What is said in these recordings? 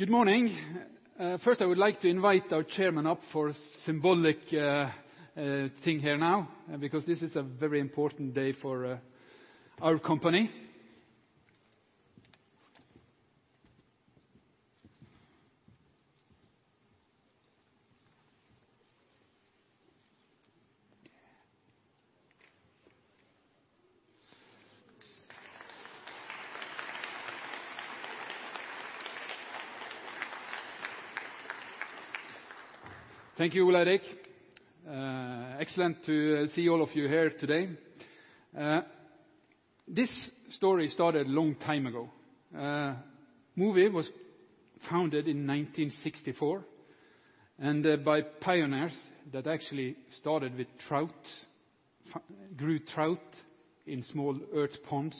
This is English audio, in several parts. Good morning. First, I would like to invite our chairman up for a symbolic thing here now, because this is a very important day for our company. Thank you, Ulrik. Excellent to see all of you here today. This story started a long time ago. Mowi was founded in 1964 by pioneers that actually started with trout, grew trout in small earth ponds,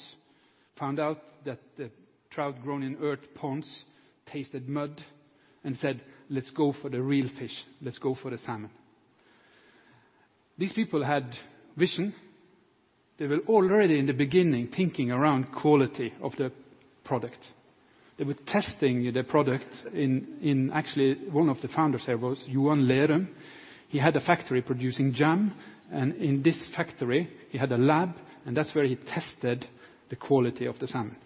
found out that the trout grown in earth ponds tasted mud and said, "Let's go for the real fish. Let's go for the salmon." These people had vision. They were already in the beginning thinking around quality of the product. They were testing the product actually, one of the founders there was Nils Hansson Lerum. He had a factory producing jam. In this factory he had a lab, and that's where he tested the quality of the salmon.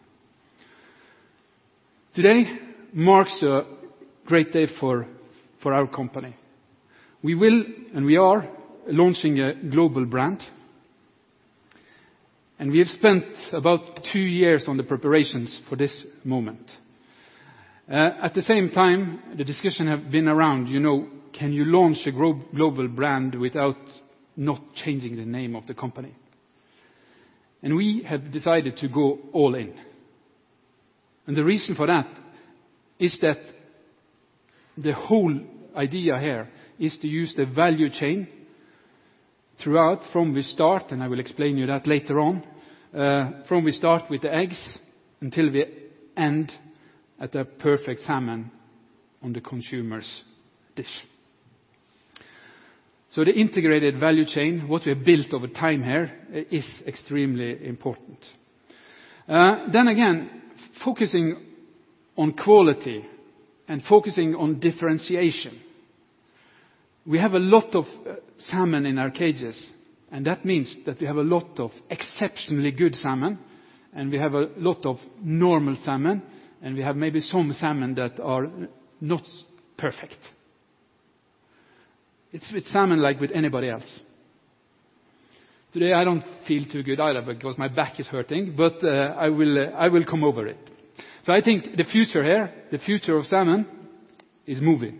Today marks a great day for our company. We are launching a global brand. We have spent about two years on the preparations for this moment. At the same time, the discussion has been around, can you launch a global brand without not changing the name of the company? We have decided to go all in. The reason for that is that the whole idea here is to use the value chain throughout from the start. I will explain you that later on, from we start with the eggs until we end at a perfect salmon on the consumer's dish. The integrated value chain, what we have built over time here is extremely important. Again, focusing on quality and focusing on differentiation. We have a lot of salmon in our cages. That means that we have a lot of exceptionally good salmon and we have a lot of normal salmon, and we have maybe some salmon that are not perfect. It's with salmon, like with anybody else. Today, I don't feel too good either because my back is hurting, but I will come over it. I think the future here, the future of salmon is Mowi.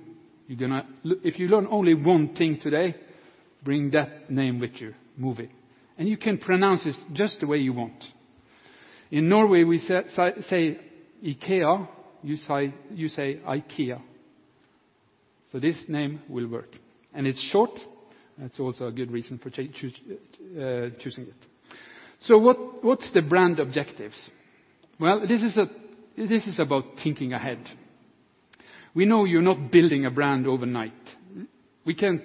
If you learn only one thing today, bring that name with you, Mowi. You can pronounce this just the way you want. In Norway, we say IKEA, you say IKEA. This name will work. It's short, that's also a good reason for choosing it. What's the brand objectives? Well, this is about thinking ahead. We know you're not building a brand overnight. We can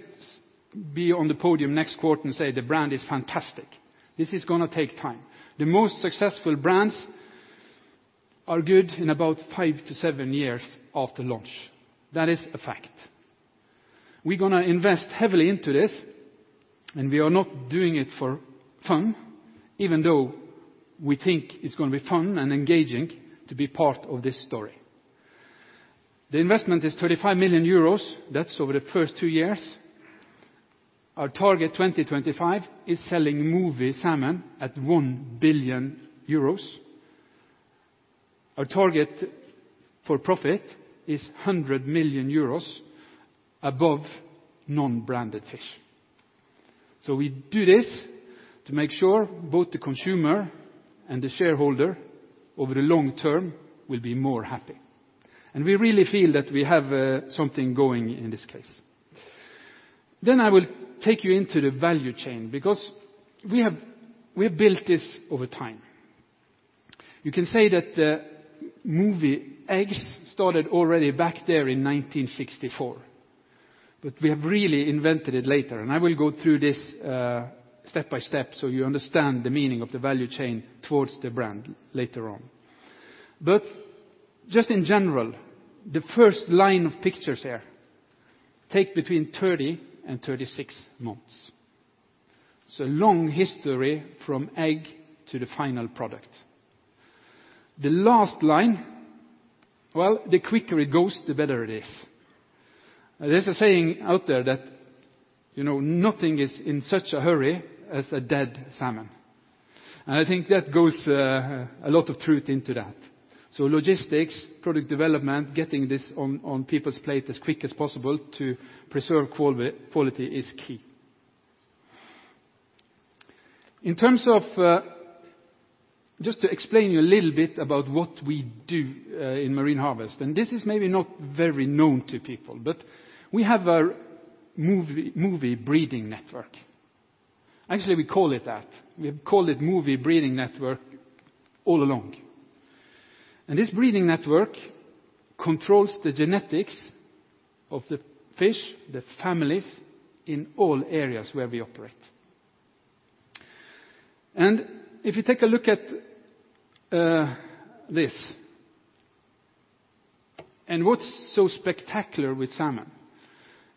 be on the podium next quarter and say the brand is fantastic. This is going to take time. The most successful brands are good in about five to seven years after launch. That is a fact. We're going to invest heavily into this. We are not doing it for fun, even though we think it's going to be fun and engaging to be part of this story. The investment is 35 million euros. That's over the first two years. Our target 2025 is selling Mowi salmon at 1 billion euros. Our target for profit is 100 million euros above non-branded fish. We do this to make sure both the consumer and the shareholder over the long term will be more happy. We really feel that we have something going in this case. I will take you into the value chain, because we have built this over time. You can say that the Mowi eggs started already back there in 1964, but we have really invented it later. I will go through this step by step so you understand the meaning of the value chain towards the brand later on. Just in general, the first line of pictures here take between 30 and 36 months. Long history from egg to the final product. The last line, well, the quicker it goes, the better it is. There's a saying out there that nothing is in such a hurry as a dead salmon. I think that goes a lot of truth into that. Logistics, product development, getting this on people's plate as quick as possible to preserve quality is key. Just to explain to you a little bit about what we do in Marine Harvest, this is maybe not very known to people, but we have our Mowi breeding network. Actually, we call it that. We have called it Mowi breeding network all along. This breeding network controls the genetics of the fish, the families in all areas where we operate. If you take a look at this. What's so spectacular with salmon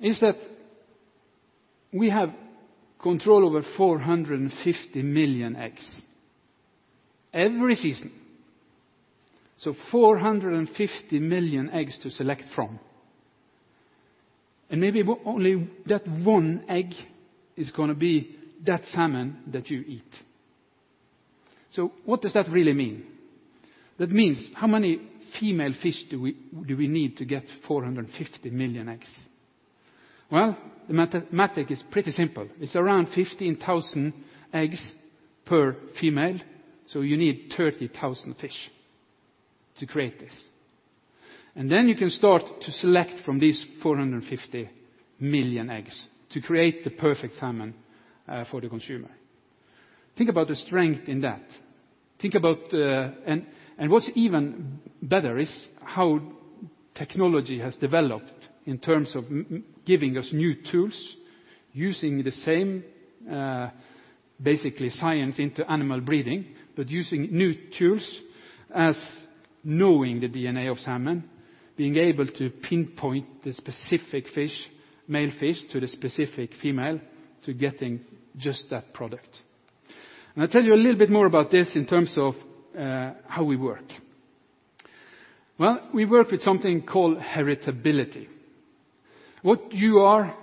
is that we have control over 450 million eggs every season. 450 million eggs to select from, and maybe only that one egg is going to be that salmon that you eat. What does that really mean? That means, how many female fish do we need to get 450 million eggs? Well, the mathematic is pretty simple. It's around 15,000 eggs per female, so you need 30,000 fish to create this. Then you can start to select from these 450 million eggs to create the perfect salmon for the consumer. Think about the strength in that. What's even better is how technology has developed in terms of giving us new tools, using the same basically science into animal breeding, but using new tools as knowing the DNA of salmon, being able to pinpoint the specific male fish to the specific female to getting just that product. I'll tell you a little bit more about this in terms of how we work. Well, we work with something called heritability. What you are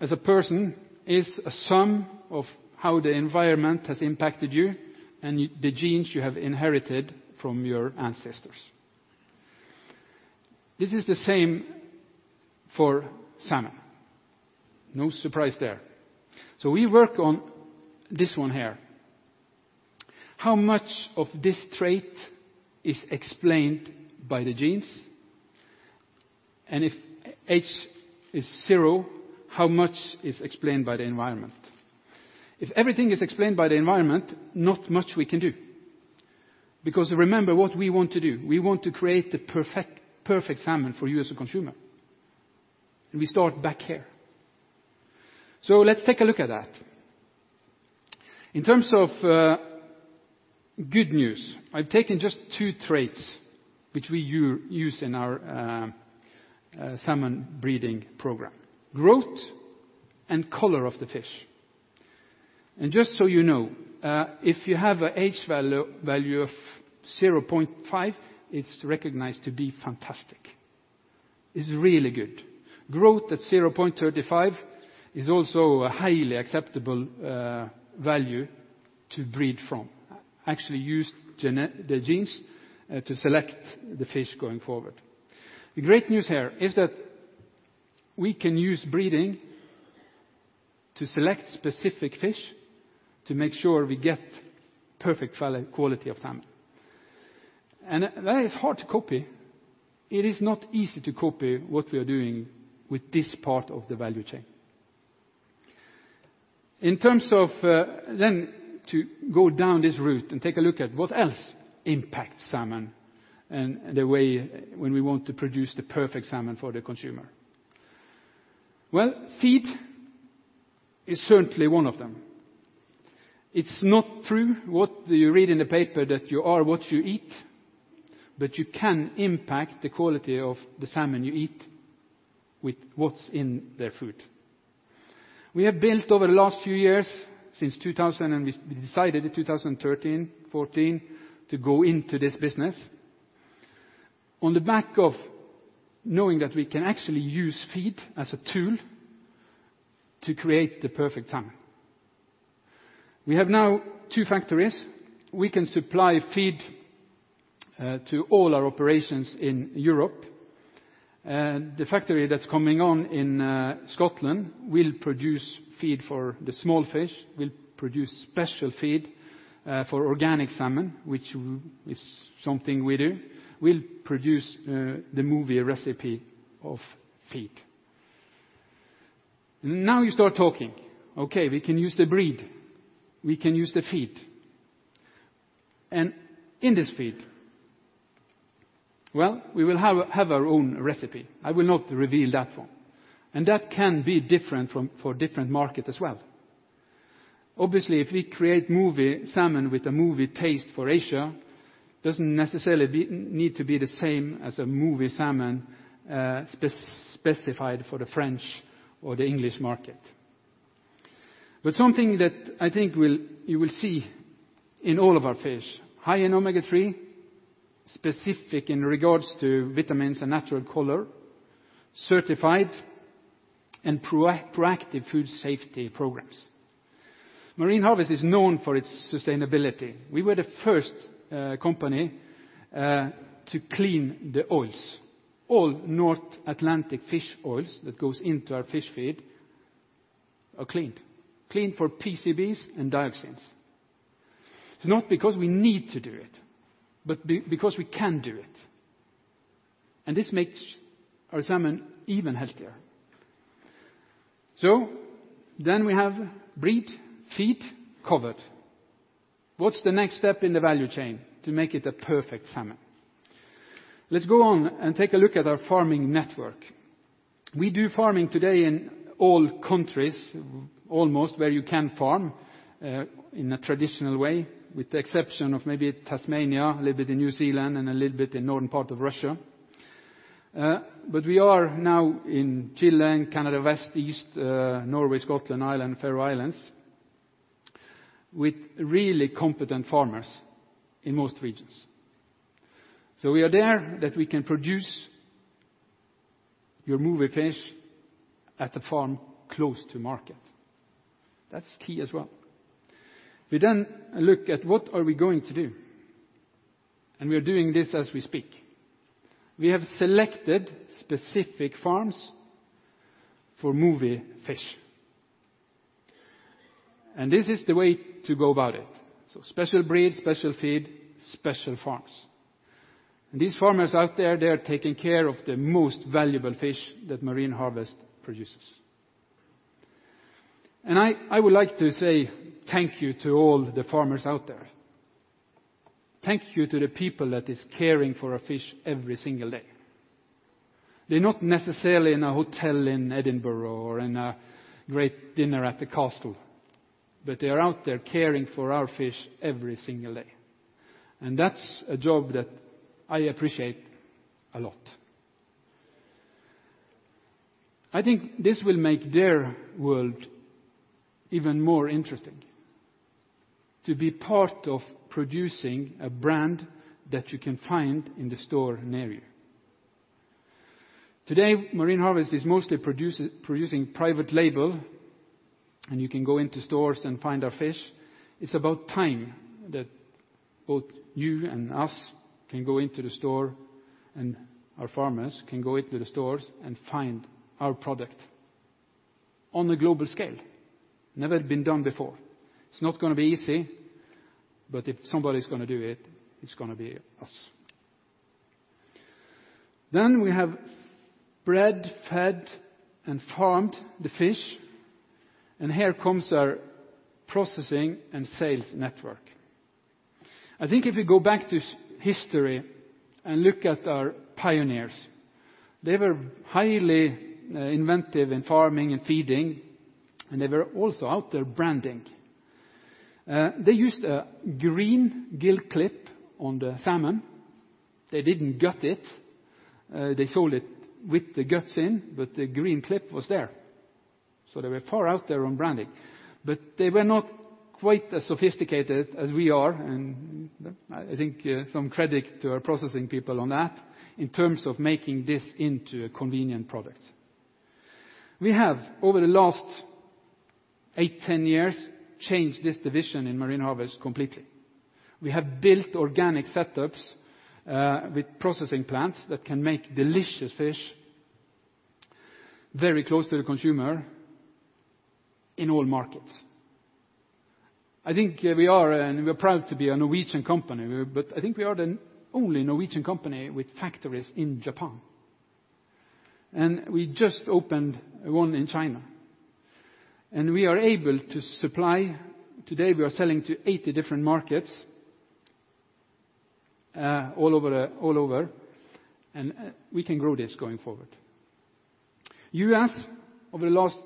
as a person is a sum of how the environment has impacted you and the genes you have inherited from your ancestors. This is the same for salmon. No surprise there. We work on this one here. How much of this trait is explained by the genes? If h is zero, how much is explained by the environment? If everything is explained by the environment, not much we can do because remember what we want to do, we want to create the perfect salmon for you as a consumer, and we start back here. Let's take a look at that. In terms of good news, I've taken just two traits which we use in our Mowi breeding program, growth and color of the fish. Just so you know, if you have an h value of 0.5, it's recognized to be fantastic. It's really good. Growth at 0.35 is also a highly acceptable value to breed from. Actually use the genes to select the fish going forward. The great news here is that we can use breeding to select specific fish to make sure we get perfect quality of salmon, and that is hard to copy. It is not easy to copy what we are doing with this part of the value chain. To go down this route and take a look at what else impacts salmon and the way when we want to produce the perfect salmon for the consumer. Well, feed is certainly one of them. It's not true what you read in the paper that you are what you eat, but you can impact the quality of the salmon you eat with what's in their food. We have built over the last few years since 2000, we decided in 2013, 2014 to go into this business on the back of knowing that we can actually use feed as a tool to create the perfect salmon. We have now two factories. We can supply feed to all our operations in Europe. The factory that's coming on in Scotland will produce feed for the small fish, will produce special feed for organic salmon, which is something we do, will produce the Mowi recipe of feed. You start talking. Okay, we can use the breed. We can use the feed. In this feed, well, we will have our own recipe. I will not reveal that one, and that can be different for different market as well. Obviously, if we create Mowi salmon with a Mowi taste for Asia, doesn't necessarily need to be the same as a Mowi salmon specified for the French or the English market. Something that I think you will see in all of our fish, high in Omega-3, specific in regards to vitamins and natural color, certified and proactive food safety programs. Marine Harvest is known for its sustainability. We were the first company to clean the oils. All North Atlantic fish oils that goes into our fish feed are cleaned. Cleaned for PCBs and dioxins. It's not because we need to do it, but because we can do it, and this makes our salmon even healthier. We have breed, feed covered. What's the next step in the value chain to make it a perfect salmon? Let's go on and take a look at our farming network. We do farming today in all countries, almost where you can farm in a traditional way, with the exception of maybe Tasmania, a little bit in New Zealand, and a little bit in northern part of Russia. We are now in Chile and Canada, west, east, Norway, Scotland, Ireland, Faroe Islands, with really competent farmers in most regions. We are there that we can produce your Mowi fish at the farm close to market. That's key as well. We look at what are we going to do, and we are doing this as we speak. We have selected specific farms for Mowi fish. This is the way to go about it. Special breed, special feed, special farms. These farmers out there, they are taking care of the most valuable fish that Marine Harvest produces. I would like to say thank you to all the farmers out there. Thank you to the people that is caring for our fish every single day. They're not necessarily in a hotel in Edinburgh or in a great dinner at the castle, but they are out there caring for our fish every single day. That's a job that I appreciate a lot. I think this will make their world even more interesting to be part of producing a brand that you can find in the store near you. Today, Marine Harvest is mostly producing private label, and you can go into stores and find our fish. It's about time that both you and us can go into the store, and our farmers can go into the stores and find our product on a global scale. Never been done before. It's not gonna be easy, but if somebody's gonna do it's gonna be us. We have bred, fed, and farmed the fish, and here comes our processing and sales network. I think if you go back to history and look at our pioneers, they were highly inventive in farming and feeding, and they were also out there branding. They used a green gill clip on the salmon. They didn't gut it. They sold it with the guts in, but the green clip was there. They were far out there on branding. They were not quite as sophisticated as we are, and I think some credit to our processing people on that in terms of making this into a convenient product. We have, over the last eight, 10 years, changed this division in Marine Harvest completely. We have built organic setups, with processing plants that can make delicious fish very close to the consumer in all markets. I think we are, and we are proud to be a Norwegian company, but I think we are the only Norwegian company with factories in Japan. We just opened one in China. We are able to supply, today we are selling to 80 different markets all over, and we can grow this going forward. U.S., over the last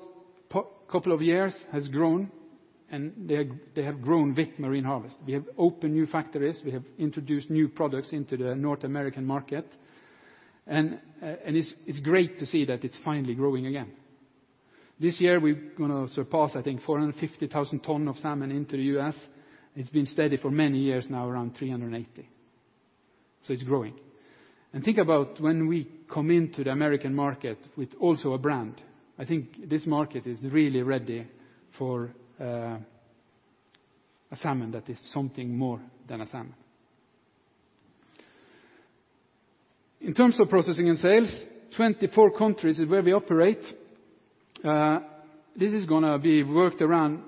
couple of years, has grown and they have grown with Marine Harvest. We have opened new factories, we have introduced new products into the North American market, and it's great to see that it's finally growing again. This year we're gonna surpass, I think, 450,000 tons of salmon into the U.S. It's been steady for many years now, around 380. It's growing. Think about when we come into the American market with also a brand. I think this market is really ready for a salmon that is something more than a salmon. In terms of processing and sales, 24 countries is where we operate. This is gonna be worked around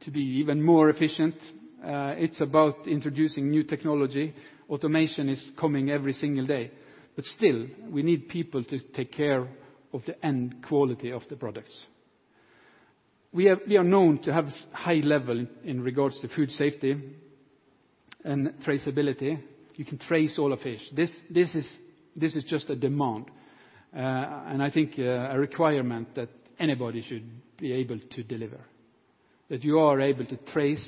to be even more efficient. It's about introducing new technology. Automation is coming every single day. Still, we need people to take care of the end quality of the products. We are known to have high level in regards to food safety and traceability. You can trace all our fish. This is just a demand. I think a requirement that anybody should be able to deliver, that you are able to trace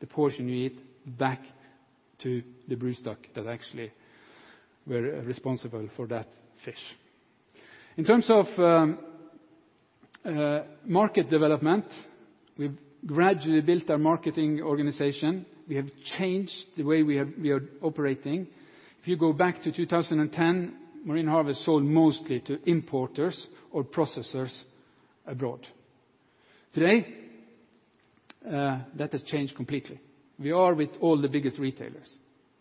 the portion you eat back to the broodstock that actually were responsible for that fish. In terms of market development, we've gradually built our marketing organization. We have changed the way we are operating. If you go back to 2010, Marine Harvest sold mostly to importers or processors abroad. Today, that has changed completely. We are with all the biggest retailers.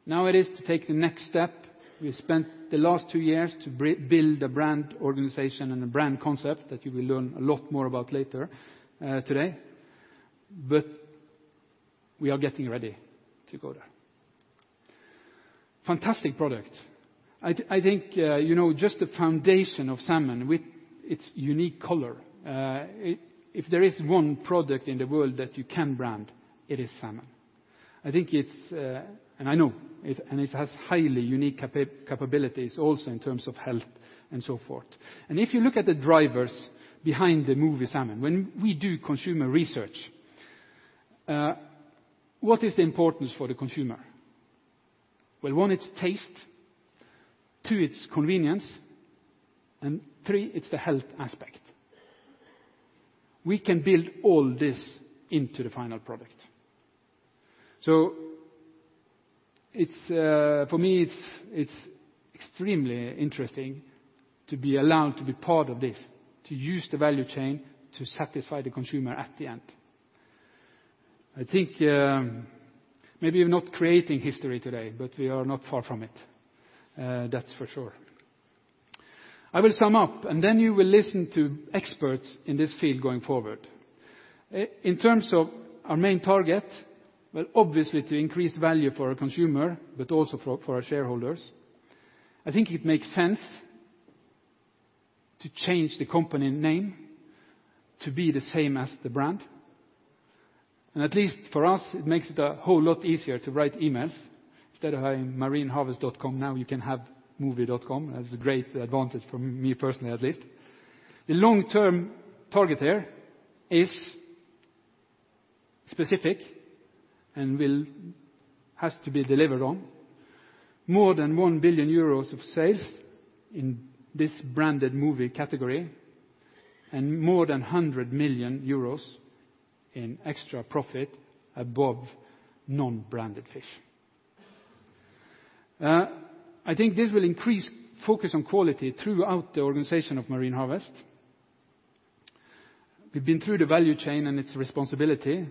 Now it is to take the next step. We spent the last two years to build a brand organization and a brand concept that you will learn a lot more about later today. We are getting ready to go there. Fantastic product. I think just the foundation of salmon with its unique color, if there is one product in the world that you can brand, it is salmon. I think it's, and I know, and it has highly unique capabilities also in terms of health and so forth. If you look at the drivers behind the Mowi Salmon, when we do consumer research, what is the importance for the consumer? Well, one, it's taste. Two, it's convenience. Three, it's the health aspect. We can build all this into the final product. For me, it's extremely interesting to be allowed to be part of this, to use the value chain to satisfy the consumer at the end. I think maybe we're not creating history today, but we are not far from it. That's for sure. I will sum up. Then you will listen to experts in this field going forward. In terms of our main target, well, obviously to increase value for our consumer, but also for our shareholders. I think it makes sense to change the company name to be the same as the brand. At least for us, it makes it a whole lot easier to write emails. Instead of having marineharvest.com, now you can have mowi.com. That's a great advantage for me personally at least. The long-term target here is specific and has to be delivered on more than 1 billion euros of sales in this branded Mowi category and more than 100 million euros in extra profit above non-branded fish. I think this will increase focus on quality throughout the organization of Marine Harvest. We've been through the value chain and its responsibility.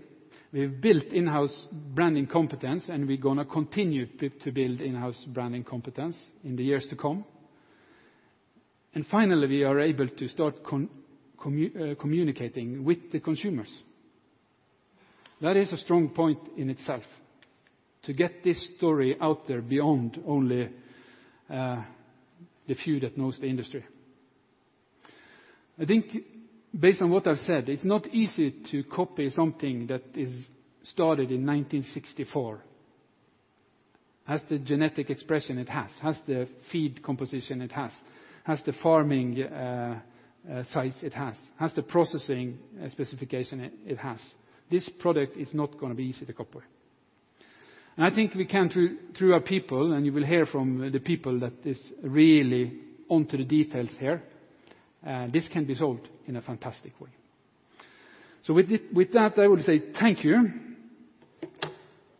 We've built in-house branding competence, and we're going to continue to build in-house branding competence in the years to come. Finally, we are able to start communicating with the consumers. That is a strong point in itself to get this story out there beyond only the few that knows the industry. I think based on what I've said, it's not easy to copy something that is started in 1964. It has the genetic expression it has the feed composition it has the farming size it has the processing specification it has. This product is not going to be easy to copy. I think we can through our people, and you will hear from the people that is really onto the details here, this can be sold in a fantastic way. With that, I will say thank you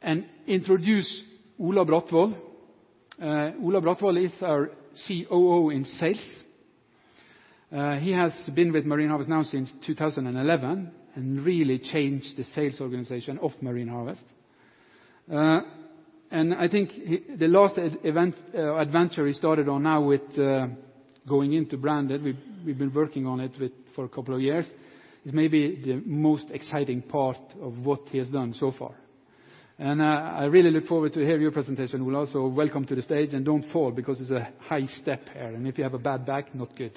and introduce Ola Brattvoll. Ola Brattvoll is our COO in sales. He has been with Marine Harvest now since 2011 and really changed the sales organization of Marine Harvest. I think the last adventure he started on now with going into branded, we've been working on it for a couple of years, is maybe the most exciting part of what he has done so far. I really look forward to hear your presentation. Ola, welcome to the stage and don't fall because it's a high step here and if you have a bad back, not good.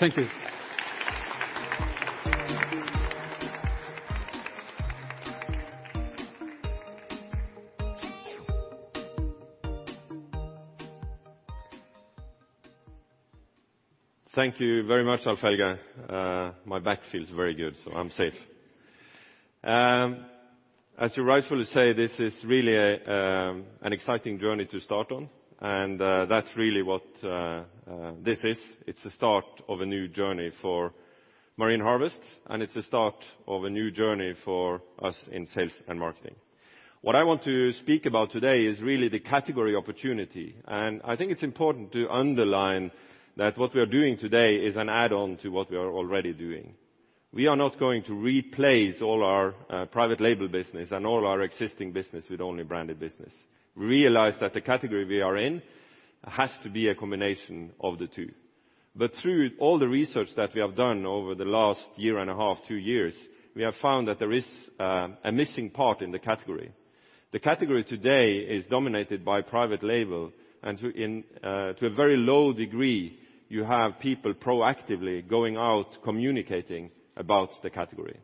Thank you. Thank you very much, Alf-Helge. My back feels very good, I'm safe. As you rightfully say, this is really an exciting journey to start on, that's really what this is. It's the start of a new journey for Marine Harvest, it's the start of a new journey for us in sales and marketing. What I want to speak about today is really the category opportunity, I think it's important to underline that what we are doing today is an add-on to what we are already doing. We are not going to replace all our private label business and all our existing business with only branded business. We realize that the category we are in has to be a combination of the two. Through all the research that we have done over the last year and a half, two years, we have found that there is a missing part in the category. The category today is dominated by private label, to a very low degree, you have people proactively going out communicating about the category.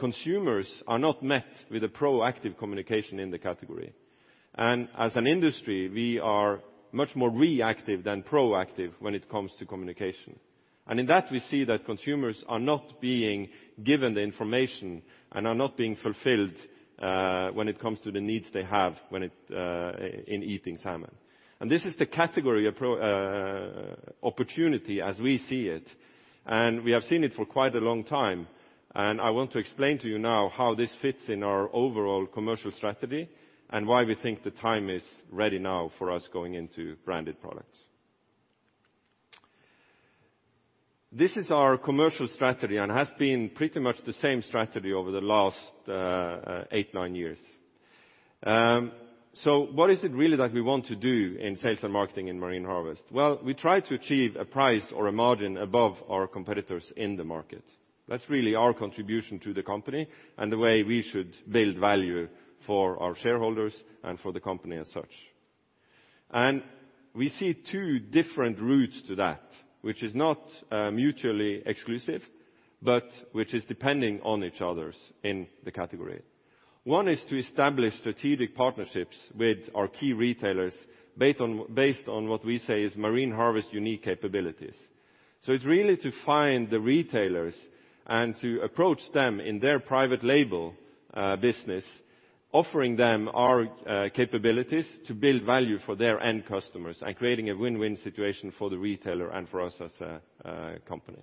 Consumers are not met with a proactive communication in the category. As an industry, we are much more reactive than proactive when it comes to communication. In that we see that consumers are not being given the information and are not being fulfilled when it comes to the needs they have in eating salmon. This is the category opportunity as we see it, we have seen it for quite a long time, I want to explain to you now how this fits in our overall commercial strategy, why we think the time is ready now for us going into branded products. This is our commercial strategy, has been pretty much the same strategy over the last eight, nine years. What is it really that we want to do in sales and marketing in Marine Harvest? We try to achieve a price or a margin above our competitors in the market. That's really our contribution to the company and the way we should build value for our shareholders and for the company as such. We see two different routes to that, which is not mutually exclusive, which is depending on each other in the category. One is to establish strategic partnerships with our key retailers based on what we say is Mowi's unique capabilities. It's really to find the retailers and to approach them in their private label business, offering them our capabilities to build value for their end customers and creating a win-win situation for the retailer and for us as a company.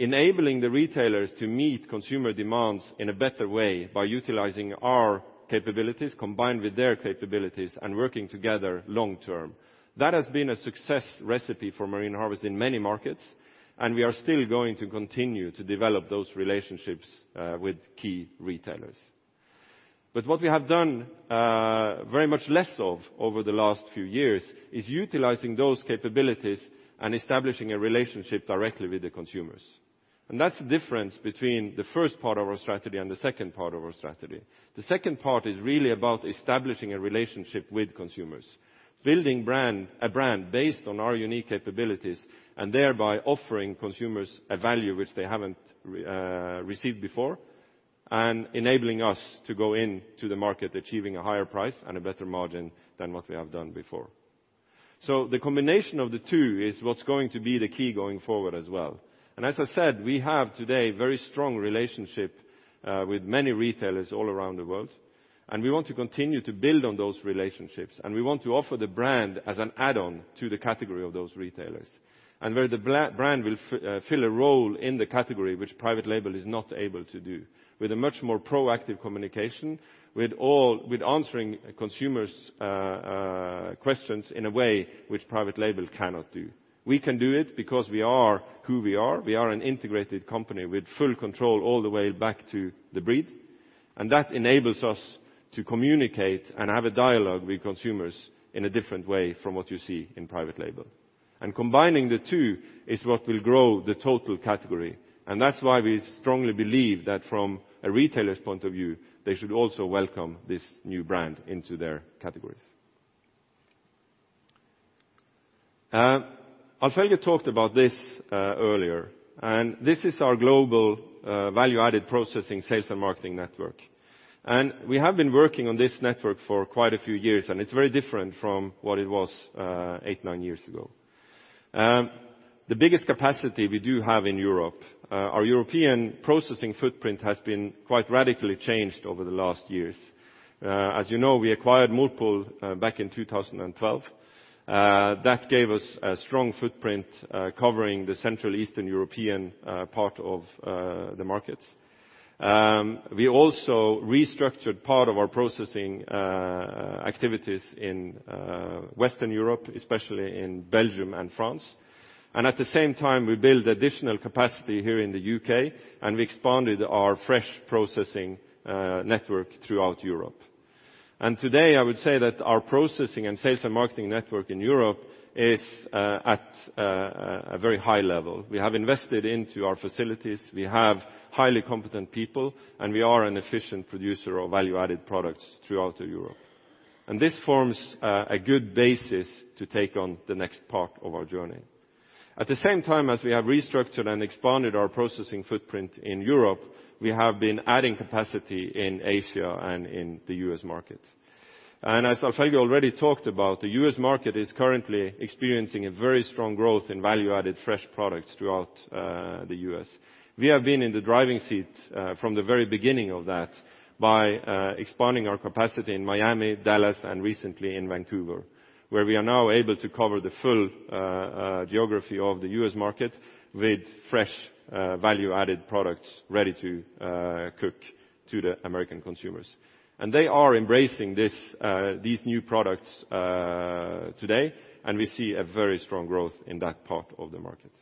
Enabling the retailers to meet consumer demands in a better way by utilizing our capabilities, combined with their capabilities and working together long term, that has been a success recipe for Mowi in many markets, and we are still going to continue to develop those relationships with key retailers. What we have done very much less of over the last few years is utilizing those capabilities and establishing a relationship directly with the consumers. That's the difference between the first part of our strategy and the second part of our strategy. The second part is really about establishing a relationship with consumers. Building a brand based on our unique capabilities, and thereby offering consumers a value which they haven't received before, and enabling us to go into the market achieving a higher price and a better margin than what we have done before. The combination of the two is what's going to be the key going forward as well. As I said, we have today a very strong relationship with many retailers all around the world, and we want to continue to build on those relationships, and we want to offer the brand as an add-on to the category of those retailers. Where the brand will fill a role in the category which private label is not able to do with a much more proactive communication, with answering consumers' questions in a way which private label cannot do. We can do it because we are who we are. We are an integrated company with full control all the way back to the breed, and that enables us to communicate and have a dialogue with consumers in a different way from what you see in private label. Combining the two is what will grow the total category. That's why we strongly believe that from a retailer's point of view, they should also welcome this new brand into their categories. Alf-Helge talked about this earlier, and this is our global value-added processing sales and marketing network. We have been working on this network for quite a few years, and it's very different from what it was eight, nine years ago. The biggest capacity we do have in Europe, our European processing footprint has been quite radically changed over the last years. As you know, we acquired Morpol back in 2012. That gave us a strong footprint covering the Central Eastern European part of the markets. We also restructured part of our processing activities in Western Europe, especially in Belgium and France. At the same time, we built additional capacity here in the U.K., and we expanded our fresh processing network throughout Europe. Today, I would say that our processing and sales and marketing network in Europe is at a very high level. We have invested into our facilities, we have highly competent people, and we are an efficient producer of value-added products throughout Europe. This forms a good basis to take on the next part of our journey. At the same time as we have restructured and expanded our processing footprint in Europe, we have been adding capacity in Asia and in the U.S. market. As Alf-Helge already talked about, the U.S. market is currently experiencing a very strong growth in value-added fresh products throughout the U.S. We have been in the driving seat from the very beginning of that by expanding our capacity in Miami, Dallas, and recently in Vancouver, where we are now able to cover the full geography of the U.S. market with fresh value-added products ready to cook to the American consumers. They are embracing these new products today, and we see a very strong growth in that part of the market.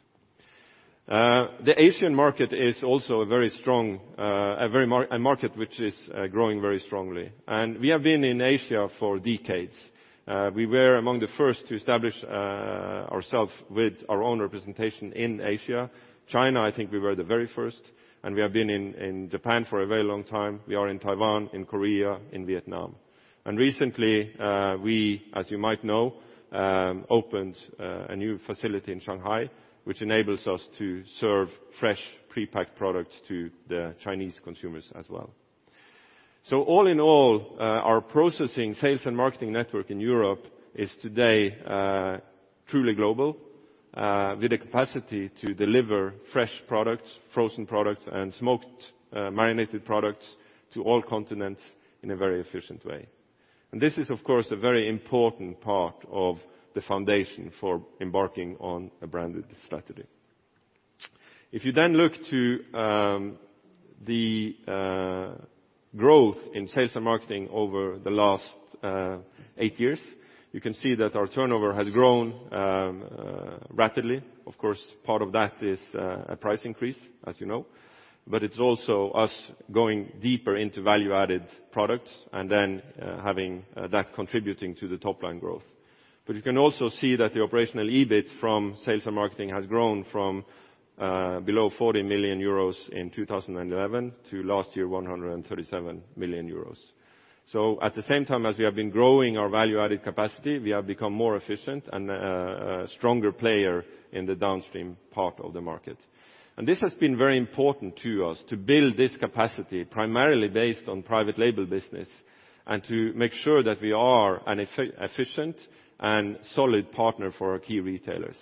The Asian market is also a market which is growing very strongly. We have been in Asia for decades. We were among the first to establish ourselves with our own representation in Asia. China, I think we were the very first, and we have been in Japan for a very long time. We are in Taiwan, in Korea, in Vietnam. Recently, we, as you might know, opened a new facility in Shanghai, which enables us to serve fresh prepacked products to the Chinese consumers as well. All in all, our processing sales and marketing network in Europe is today truly global, with the capacity to deliver fresh products, frozen products, and smoked marinated products to all continents in a very efficient way. This is, of course, a very important part of the foundation for embarking on a branded strategy. If you then look to the growth in sales and marketing over the last eight years, you can see that our turnover has grown rapidly. Of course, part of that is a price increase, as you know, but it's also us going deeper into value-added products and then having that contributing to the top-line growth. You can also see that the operational EBIT from sales and marketing has grown from below 40 million euros in 2011 to last year, 137 million euros. At the same time as we have been growing our value-added capacity, we have become more efficient and a stronger player in the downstream part of the market. This has been very important to us to build this capacity, primarily based on private label business, and to make sure that we are an efficient and solid partner for our key retailers.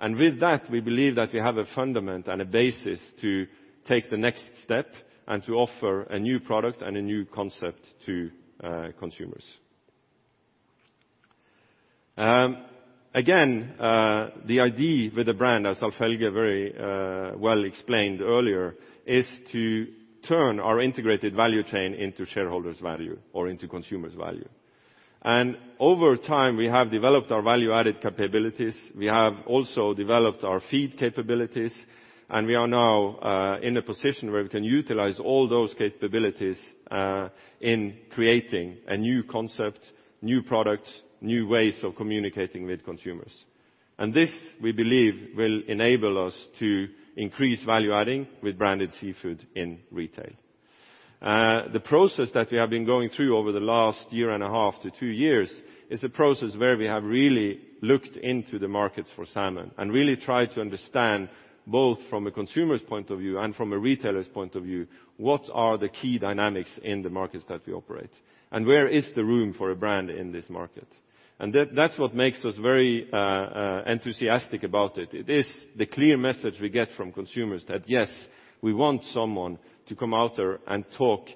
With that, we believe that we have a fundament and a basis to take the next step and to offer a new product and a new concept to consumers. Again, the idea with the brand, as Alf Helge very well explained earlier, is to turn our integrated value chain into shareholders' value or into consumers' value. Over time, we have developed our value-added capabilities, we have also developed our feed capabilities, and we are now in a position where we can utilize all those capabilities in creating a new concept, new products, new ways of communicating with consumers. This, we believe, will enable us to increase value-adding with branded seafood in retail. The process that we have been going through over the last one and a half to two years is a process where we have really looked into the markets for salmon and really tried to understand, both from a consumer's point of view and from a retailer's point of view, what are the key dynamics in the markets that we operate, and where is the room for a brand in this market? That's what makes us very enthusiastic about it. It is the clear message we get from consumers that, yes, we want someone to come out there and talk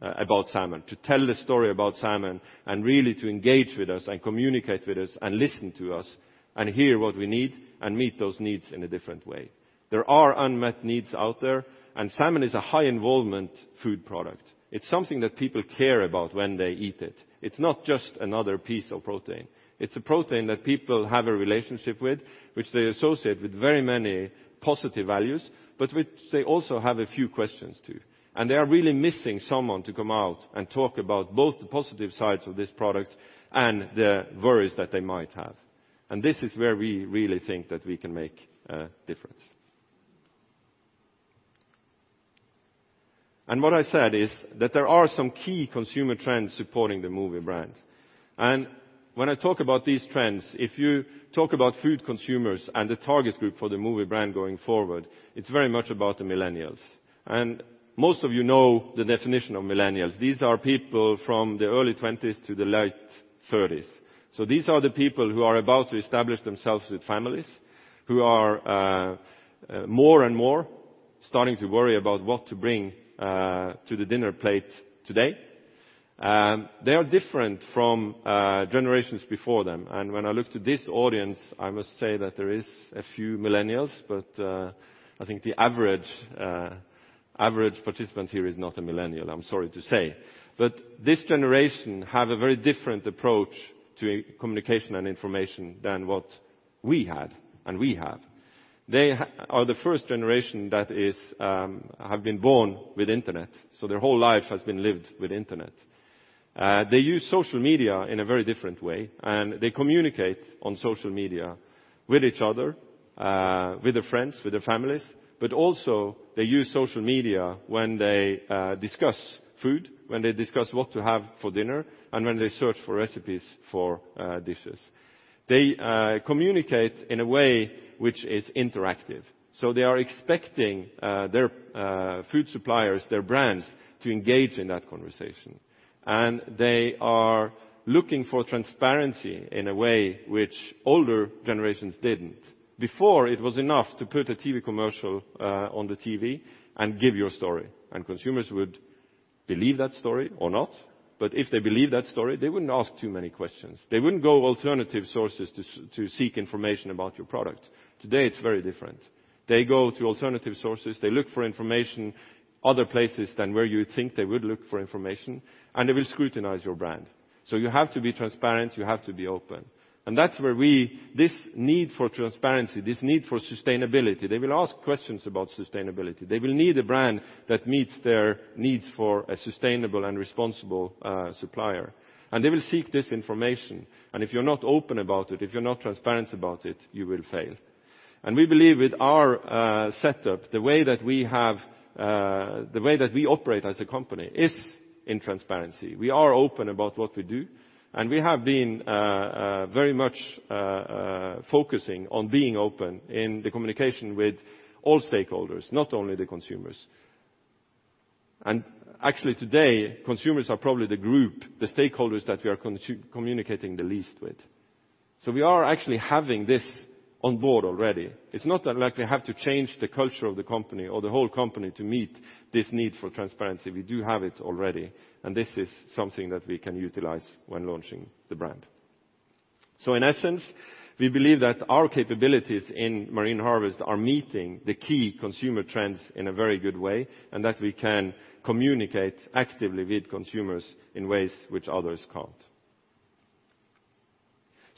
about salmon, to tell the story about salmon, and really to engage with us and communicate with us, and listen to us and hear what we need, and meet those needs in a different way. There are unmet needs out there, and salmon is a high involvement food product. It's something that people care about when they eat it. It's not just another piece of protein. It's a protein that people have a relationship with, which they associate with very many positive values, but which they also have a few questions to. They are really missing someone to come out and talk about both the positive sides of this product and the worries that they might have. This is where we really think that we can make a difference. What I said is that there are some key consumer trends supporting the Mowi brand. When I talk about these trends, if you talk about food consumers and the target group for the Mowi brand going forward, it's very much about the millennials. Most of you know the definition of millennials. These are people from the early 20s to the late 30s. These are the people who are about to establish themselves with families, who are more and more starting to worry about what to bring to the dinner plate today. They are different from generations before them. When I look to this audience, I must say that there is a few millennials, but I think the average participant here is not a millennial, I'm sorry to say. This generation have a very different approach to communication and information than what we had and we have. They are the first generation that have been born with internet, so their whole life has been lived with internet. They use social media in a very different way, and they communicate on social media with each other, with their friends, with their families. Also they use social media when they discuss food, when they discuss what to have for dinner, and when they search for recipes for dishes. They communicate in a way which is interactive. They are expecting their food suppliers, their brands, to engage in that conversation. They are looking for transparency in a way which older generations didn't. Before, it was enough to put a TV commercial on the TV and give your story, and consumers would believe that story or not. If they believe that story, they wouldn't ask too many questions. They wouldn't go alternative sources to seek information about your product. Today, it's very different. They go to alternative sources. They look for information other places than where you think they would look for information, and they will scrutinize your brand. You have to be transparent. You have to be open. That's where this need for transparency, this need for sustainability, they will ask questions about sustainability. They will need a brand that meets their needs for a sustainable and responsible supplier, and they will seek this information. If you're not open about it, if you're not transparent about it, you will fail. We believe with our setup, the way that we operate as a company is in transparency. We are open about what we do, and we have been very much focusing on being open in the communication with all stakeholders, not only the consumers. Actually today, consumers are probably the group, the stakeholders that we are communicating the least with. We are actually having this on board already. It's not like we have to change the culture of the company or the whole company to meet this need for transparency. We do have it already. This is something that we can utilize when launching the brand. In essence, we believe that our capabilities in Marine Harvest are meeting the key consumer trends in a very good way, and that we can communicate actively with consumers in ways which others can't.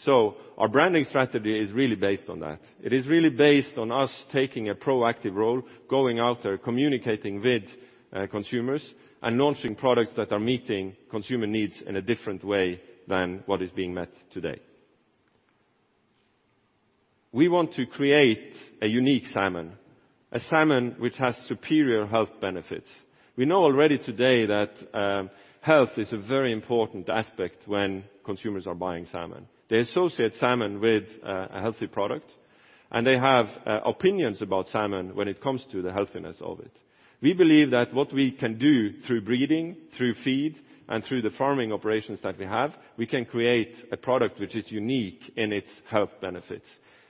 Our branding strategy is really based on that. It is really based on us taking a proactive role, going out there, communicating with consumers, and launching products that are meeting consumer needs in a different way than what is being met today. We want to create a unique salmon, a salmon which has superior health benefits. We know already today that health is a very important aspect when consumers are buying salmon. They associate salmon with a healthy product, and they have opinions about salmon when it comes to the healthiness of it. We believe that what we can do through breeding, through feed, and through the farming operations that we have, we can create a product which is unique in its health benefits.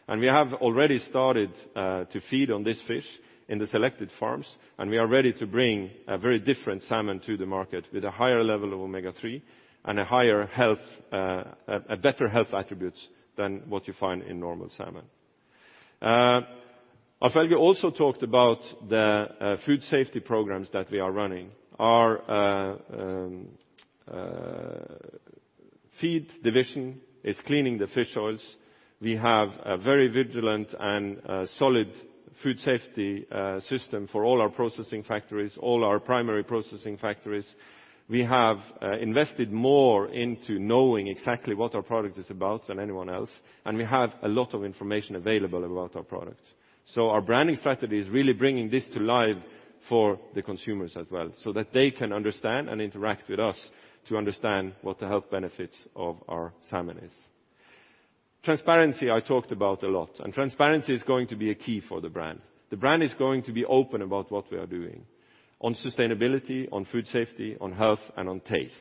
We have already started to feed on this fish in the selected farms, and we are ready to bring a very different salmon to the market with a higher level of Omega-3 and better health attributes than what you find in normal salmon. Alf Helge also talked about the food safety programs that we are running. Our feed division is cleaning the fish oils. We have a very vigilant and solid food safety system for all our primary processing factories. We have invested more into knowing exactly what our product is about than anyone else. We have a lot of information available about our product. Our branding strategy is really bringing this to life for the consumers as well, so that they can understand and interact with us to understand what the health benefits of our salmon is. Transparency I talked about a lot. Transparency is going to be a key for the brand. The brand is going to be open about what we are doing on sustainability, on food safety, on health, and on taste.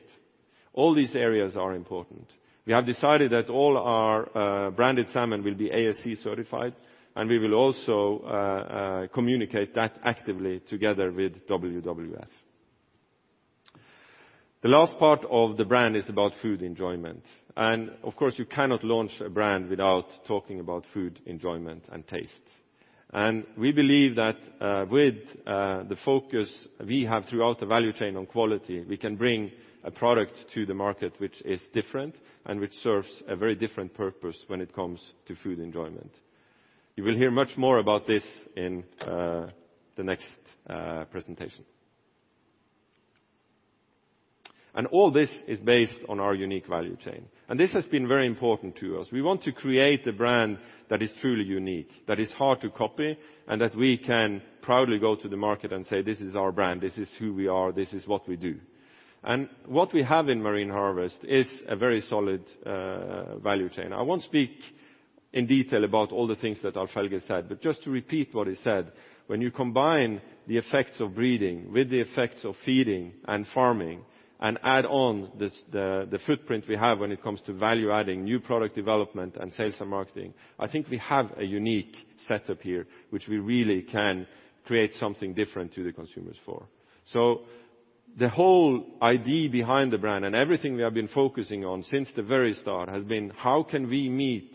All these areas are important. We have decided that all our branded salmon will be ASC certified, and we will also communicate that actively together with WWF. The last part of the brand is about food enjoyment. Of course, you cannot launch a brand without talking about food enjoyment and taste. We believe that with the focus we have throughout the value chain on quality, we can bring a product to the market which is different and which serves a very different purpose when it comes to food enjoyment. You will hear much more about this in the next presentation. All this is based on our unique value chain, and this has been very important to us. We want to create a brand that is truly unique, that is hard to copy, and that we can proudly go to the market and say, "This is our brand, this is who we are, this is what we do." What we have in Marine Harvest is a very solid value chain. I won't speak in detail about all the things that Alf-Helge said, but just to repeat what he said, when you combine the effects of breeding with the effects of feeding and farming, add on the footprint we have when it comes to value-adding, new product development, and sales and marketing, I think we have a unique setup here, which we really can create something different to the consumers for. The whole idea behind the brand and everything we have been focusing on since the very start has been: how can we meet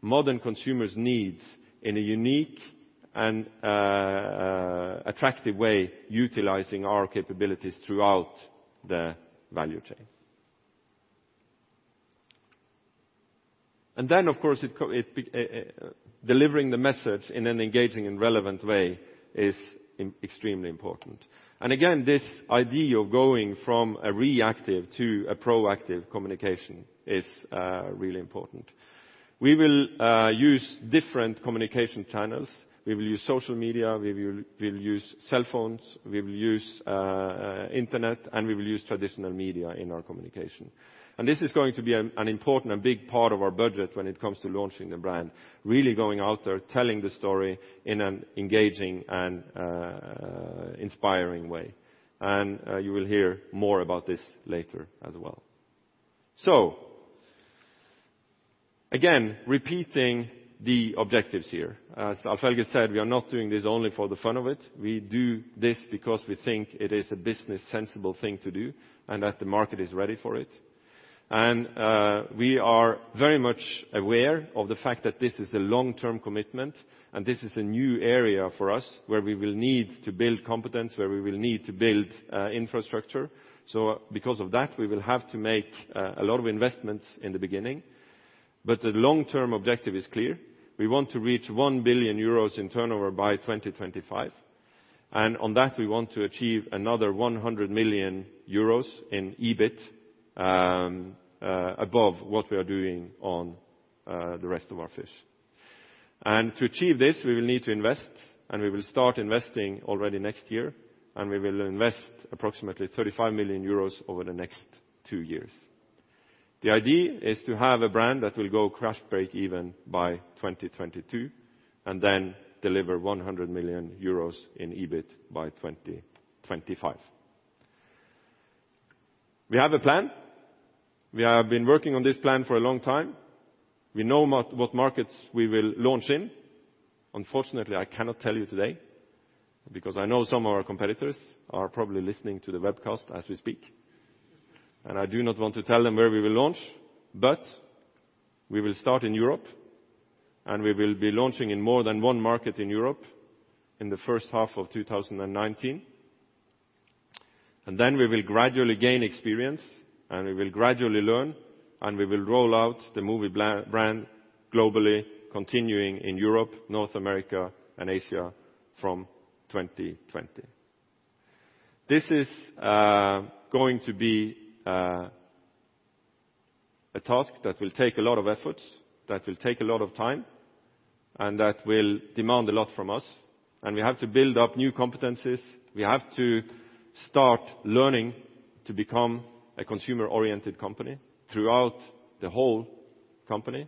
modern consumers' needs in a unique and attractive way, utilizing our capabilities throughout the value chain? Then, of course, delivering the message in an engaging and relevant way is extremely important. Again, this idea of going from a reactive to a proactive communication is really important. We will use different communication channels. We will use social media, we will use cell phones, we will use internet, and we will use traditional media in our communication. This is going to be an important and big part of our budget when it comes to launching the brand. Really going out there, telling the story in an engaging and inspiring way. You will hear more about this later as well. Again, repeating the objectives here. As Alf-Helge said, we are not doing this only for the fun of it. We do this because we think it is a business sensible thing to do, and that the market is ready for it. We are very much aware of the fact that this is a long-term commitment, and this is a new area for us where we will need to build competence, where we will need to build infrastructure. Because of that, we will have to make a lot of investments in the beginning. The long-term objective is clear. We want to reach 1 billion euros in turnover by 2025. On that, we want to achieve another 100 million euros in EBIT above what we are doing on the rest of our fish. To achieve this, we will need to invest. We will start investing already next year. We will invest approximately 35 million euros over the next two years. The idea is to have a brand that will go cash break even by 2022, then deliver 100 million euros in EBIT by 2025. We have a plan. We have been working on this plan for a long time. We know what markets we will launch in. Unfortunately, I cannot tell you today because I know some of our competitors are probably listening to the webcast as we speak, I do not want to tell them where we will launch. We will start in Europe, we will be launching in more than one market in Europe in the first half of 2019. Then we will gradually gain experience, we will gradually learn, and we will roll out the Mowi brand globally, continuing in Europe, North America, and Asia from 2020. This is going to be a task that will take a lot of effort, that will take a lot of time, and that will demand a lot from us. We have to build up new competencies. We have to start learning to become a consumer-oriented company throughout the whole company,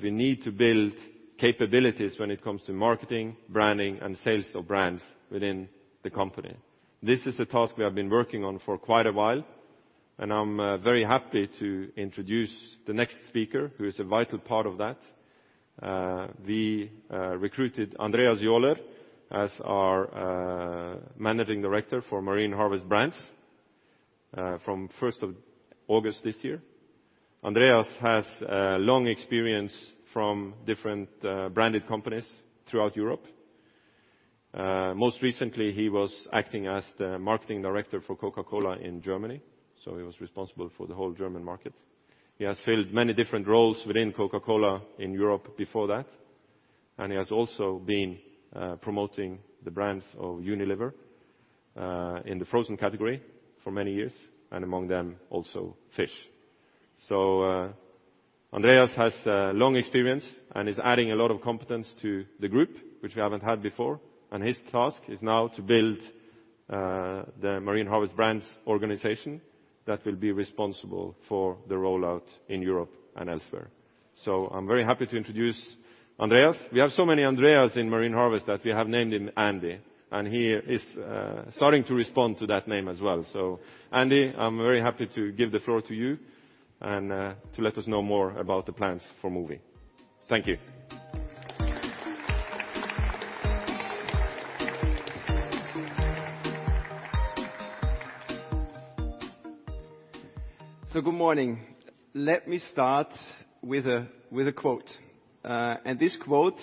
we need to build capabilities when it comes to marketing, branding, and sales of brands within the company. This is a task we have been working on for quite a while, I am very happy to introduce the next speaker, who is a vital part of that. We recruited Andreas Johler as our managing director for Marine Harvest Brands from the first of August this year. Andreas has long experience from different branded companies throughout Europe. Most recently, he was acting as the marketing director for Coca-Cola in Germany, so he was responsible for the whole German market. He has filled many different roles within Coca-Cola in Europe before that, he has also been promoting the brands of Unilever in the frozen category for many years, and among them, also fish. Andreas has long experience and is adding a lot of competence to the group, which we haven't had before. His task is now to build the Marine Harvest Brands organization that will be responsible for the rollout in Europe and elsewhere. I am very happy to introduce Andreas. We have so many Andreas in Marine Harvest that we have named him Andy, he is starting to respond to that name as well. Andy, I am very happy to give the floor to you and to let us know more about the plans for Mowi. Thank you. Good morning. Let me start with a quote. This quote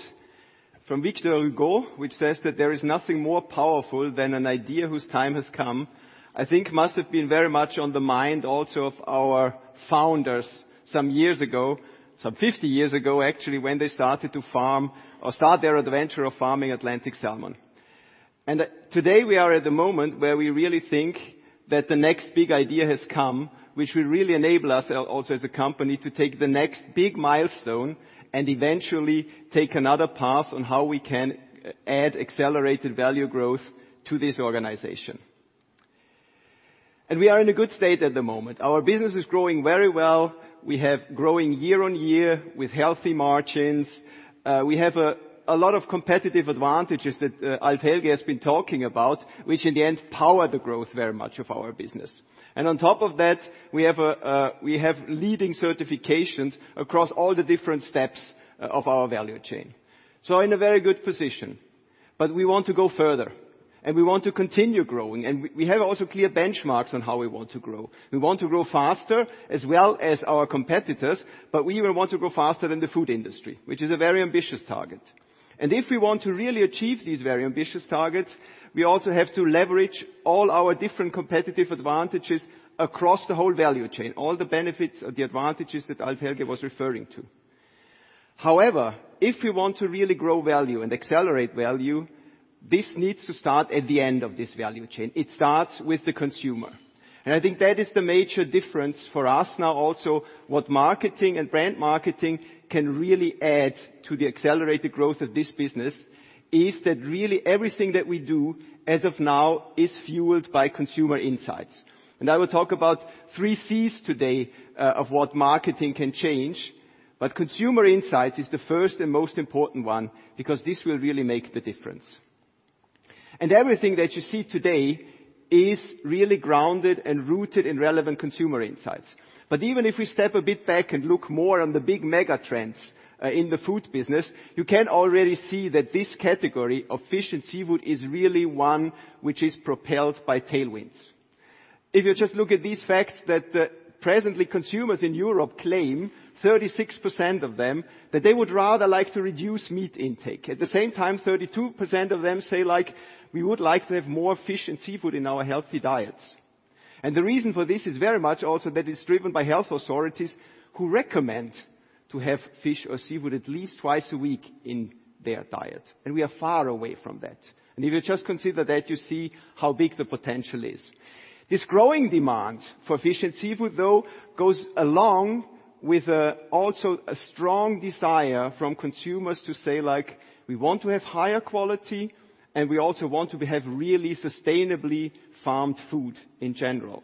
from Victor Hugo, which says that, "There is nothing more powerful than an idea whose time has come," I think must have been very much on the mind also of our founders some years ago, some 50 years ago, actually, when they started to farm or start their adventure of farming Atlantic salmon. Today we are at the moment where we really think that the next big idea has come, which will really enable us also as a company to take the next big milestone and eventually take another path on how we can add accelerated value growth to this organization. We are in a good state at the moment. Our business is growing very well. We have growing year-over-year with healthy margins. We have a lot of competitive advantages that Alf-Helge Aarskog has been talking about, which in the end power the growth very much of our business. On top of that, we have leading certifications across all the different steps of our value chain. We are in a very good position, but we want to go further and we want to continue growing. We have also clear benchmarks on how we want to grow. We want to grow faster as well as our competitors, but we want to grow faster than the food industry, which is a very ambitious target. If we want to really achieve these very ambitious targets, we also have to leverage all our different competitive advantages across the whole value chain, all the benefits of the advantages that Alf-Helge Aarskog was referring to. However, if we want to really grow value and accelerate value, this needs to start at the end of this value chain. It starts with the consumer. I think that is the major difference for us now also, what marketing and brand marketing can really add to the accelerated growth of this business is that really everything that we do as of now is fueled by consumer insights. I will talk about three Cs today of what marketing can change. Consumer insight is the first and most important one, because this will really make the difference. Everything that you see today is really grounded and rooted in relevant consumer insights. Even if we step a bit back and look more on the big mega trends in the food business, you can already see that this category of fish and seafood is really one which is propelled by tailwinds. If you just look at these facts that presently consumers in Europe claim, 36% of them, that they would rather like to reduce meat intake. At the same time, 32% of them say, "We would like to have more fish and seafood in our healthy diets." The reason for this is very much also that is driven by health authorities who recommend to have fish or seafood at least twice a week in their diet, and we are far away from that. If you just consider that, you see how big the potential is. This growing demand for fish and seafood, though, goes along with also a strong desire from consumers to say, "We want to have higher quality, and we also want to have really sustainably farmed food in general."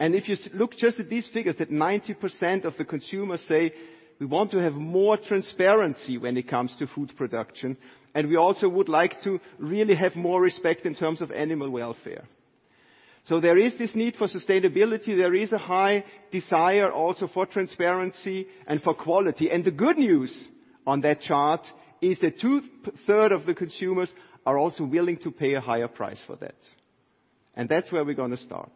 If you look just at these figures, that 90% of the consumers say, "We want to have more transparency when it comes to food production, and we also would like to really have more respect in terms of animal welfare." There is this need for sustainability. There is a high desire also for transparency and for quality. The good news on that chart is that two-third of the consumers are also willing to pay a higher price for that. That's where we're going to start.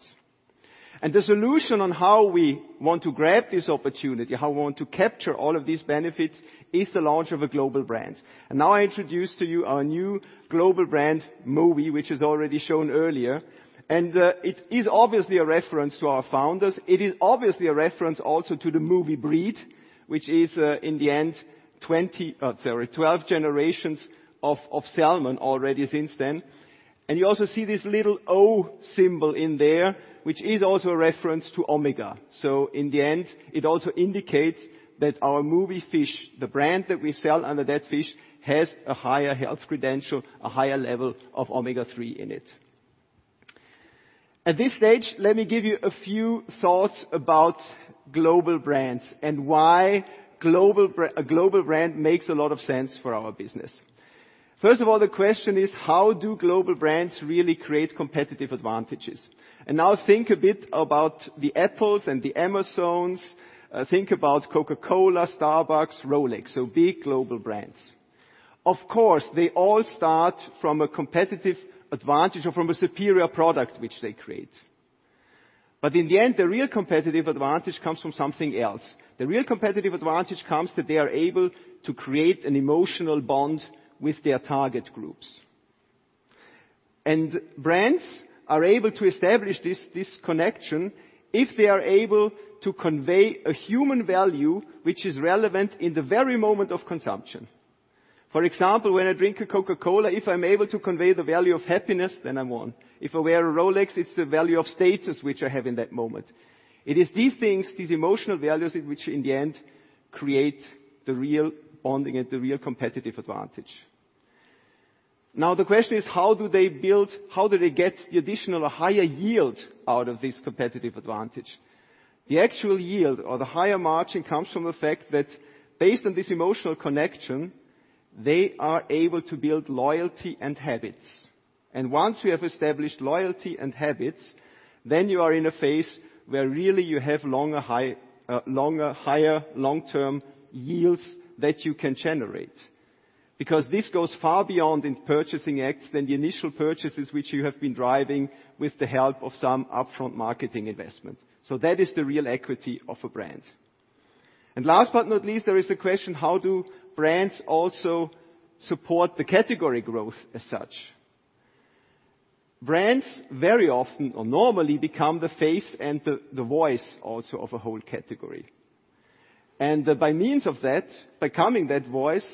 The solution on how we want to grab this opportunity, how we want to capture all of these benefits, is the launch of a global brand. Now I introduce to you our new global brand, Mowi, which is already shown earlier, and it is obviously a reference to our founders. It is obviously a reference also to the Mowi breed, which is in the end 12 generations of salmon already since then. You also see this little O symbol in there, which is also a reference to Omega-3. So in the end, it also indicates that our Mowi fish, the brand that we sell under that fish, has a higher health credential, a higher level of Omega-3 in it. At this stage, let me give you a few thoughts about global brands and why a global brand makes a lot of sense for our business. First of all, the question is, how do global brands really create competitive advantages? Now think a bit about the Apples and the Amazons. Think about Coca-Cola, Starbucks, Rolex, so big global brands. Of course, they all start from a competitive advantage or from a superior product which they create. In the end, the real competitive advantage comes from something else. The real competitive advantage comes that they are able to create an emotional bond with their target groups. Brands are able to establish this connection if they are able to convey a human value which is relevant in the very moment of consumption. For example, when I drink a Coca-Cola, if I'm able to convey the value of happiness, then I won. If I wear a Rolex, it's the value of status which I have in that moment. It is these things, these emotional values, which in the end create the real bonding and the real competitive advantage. Now, the question is, how do they get the additional higher yield out of this competitive advantage? The actual yield or the higher margin comes from the fact that based on this emotional connection, they are able to build loyalty and habits. Once you have established loyalty and habits, then you are in a phase where really you have higher long-term yields that you can generate. Because this goes far beyond in purchasing acts than the initial purchases which you have been driving with the help of some upfront marketing investment. That is the real equity of a brand. Last but not least, there is a question, how do brands also support the category growth as such? Brands very often or normally become the face and the voice also of a whole category. By means of that, becoming that voice,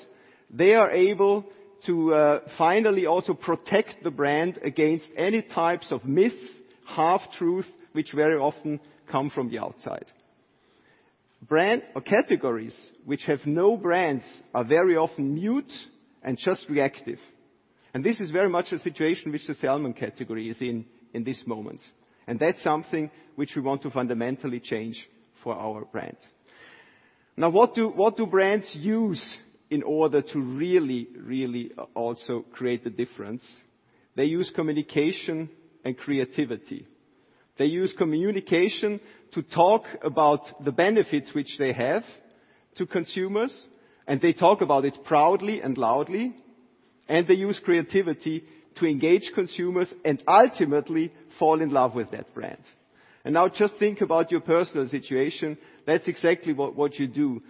they are able to finally also protect the brand against any types of myths, half-truth, which very often come from the outside. Brands or categories which have no brands are very often mute and just reactive. This is very much the situation which the salmon category is in this moment. That's something which we want to fundamentally change for our brand. Now, what do brands use in order to really also create the difference? They use communication and creativity. They use communication to talk about the benefits which they have to consumers, and they talk about it proudly and loudly, and they use creativity to engage consumers and ultimately fall in love with that brand. Now just think about your personal situation. That's exactly what you do.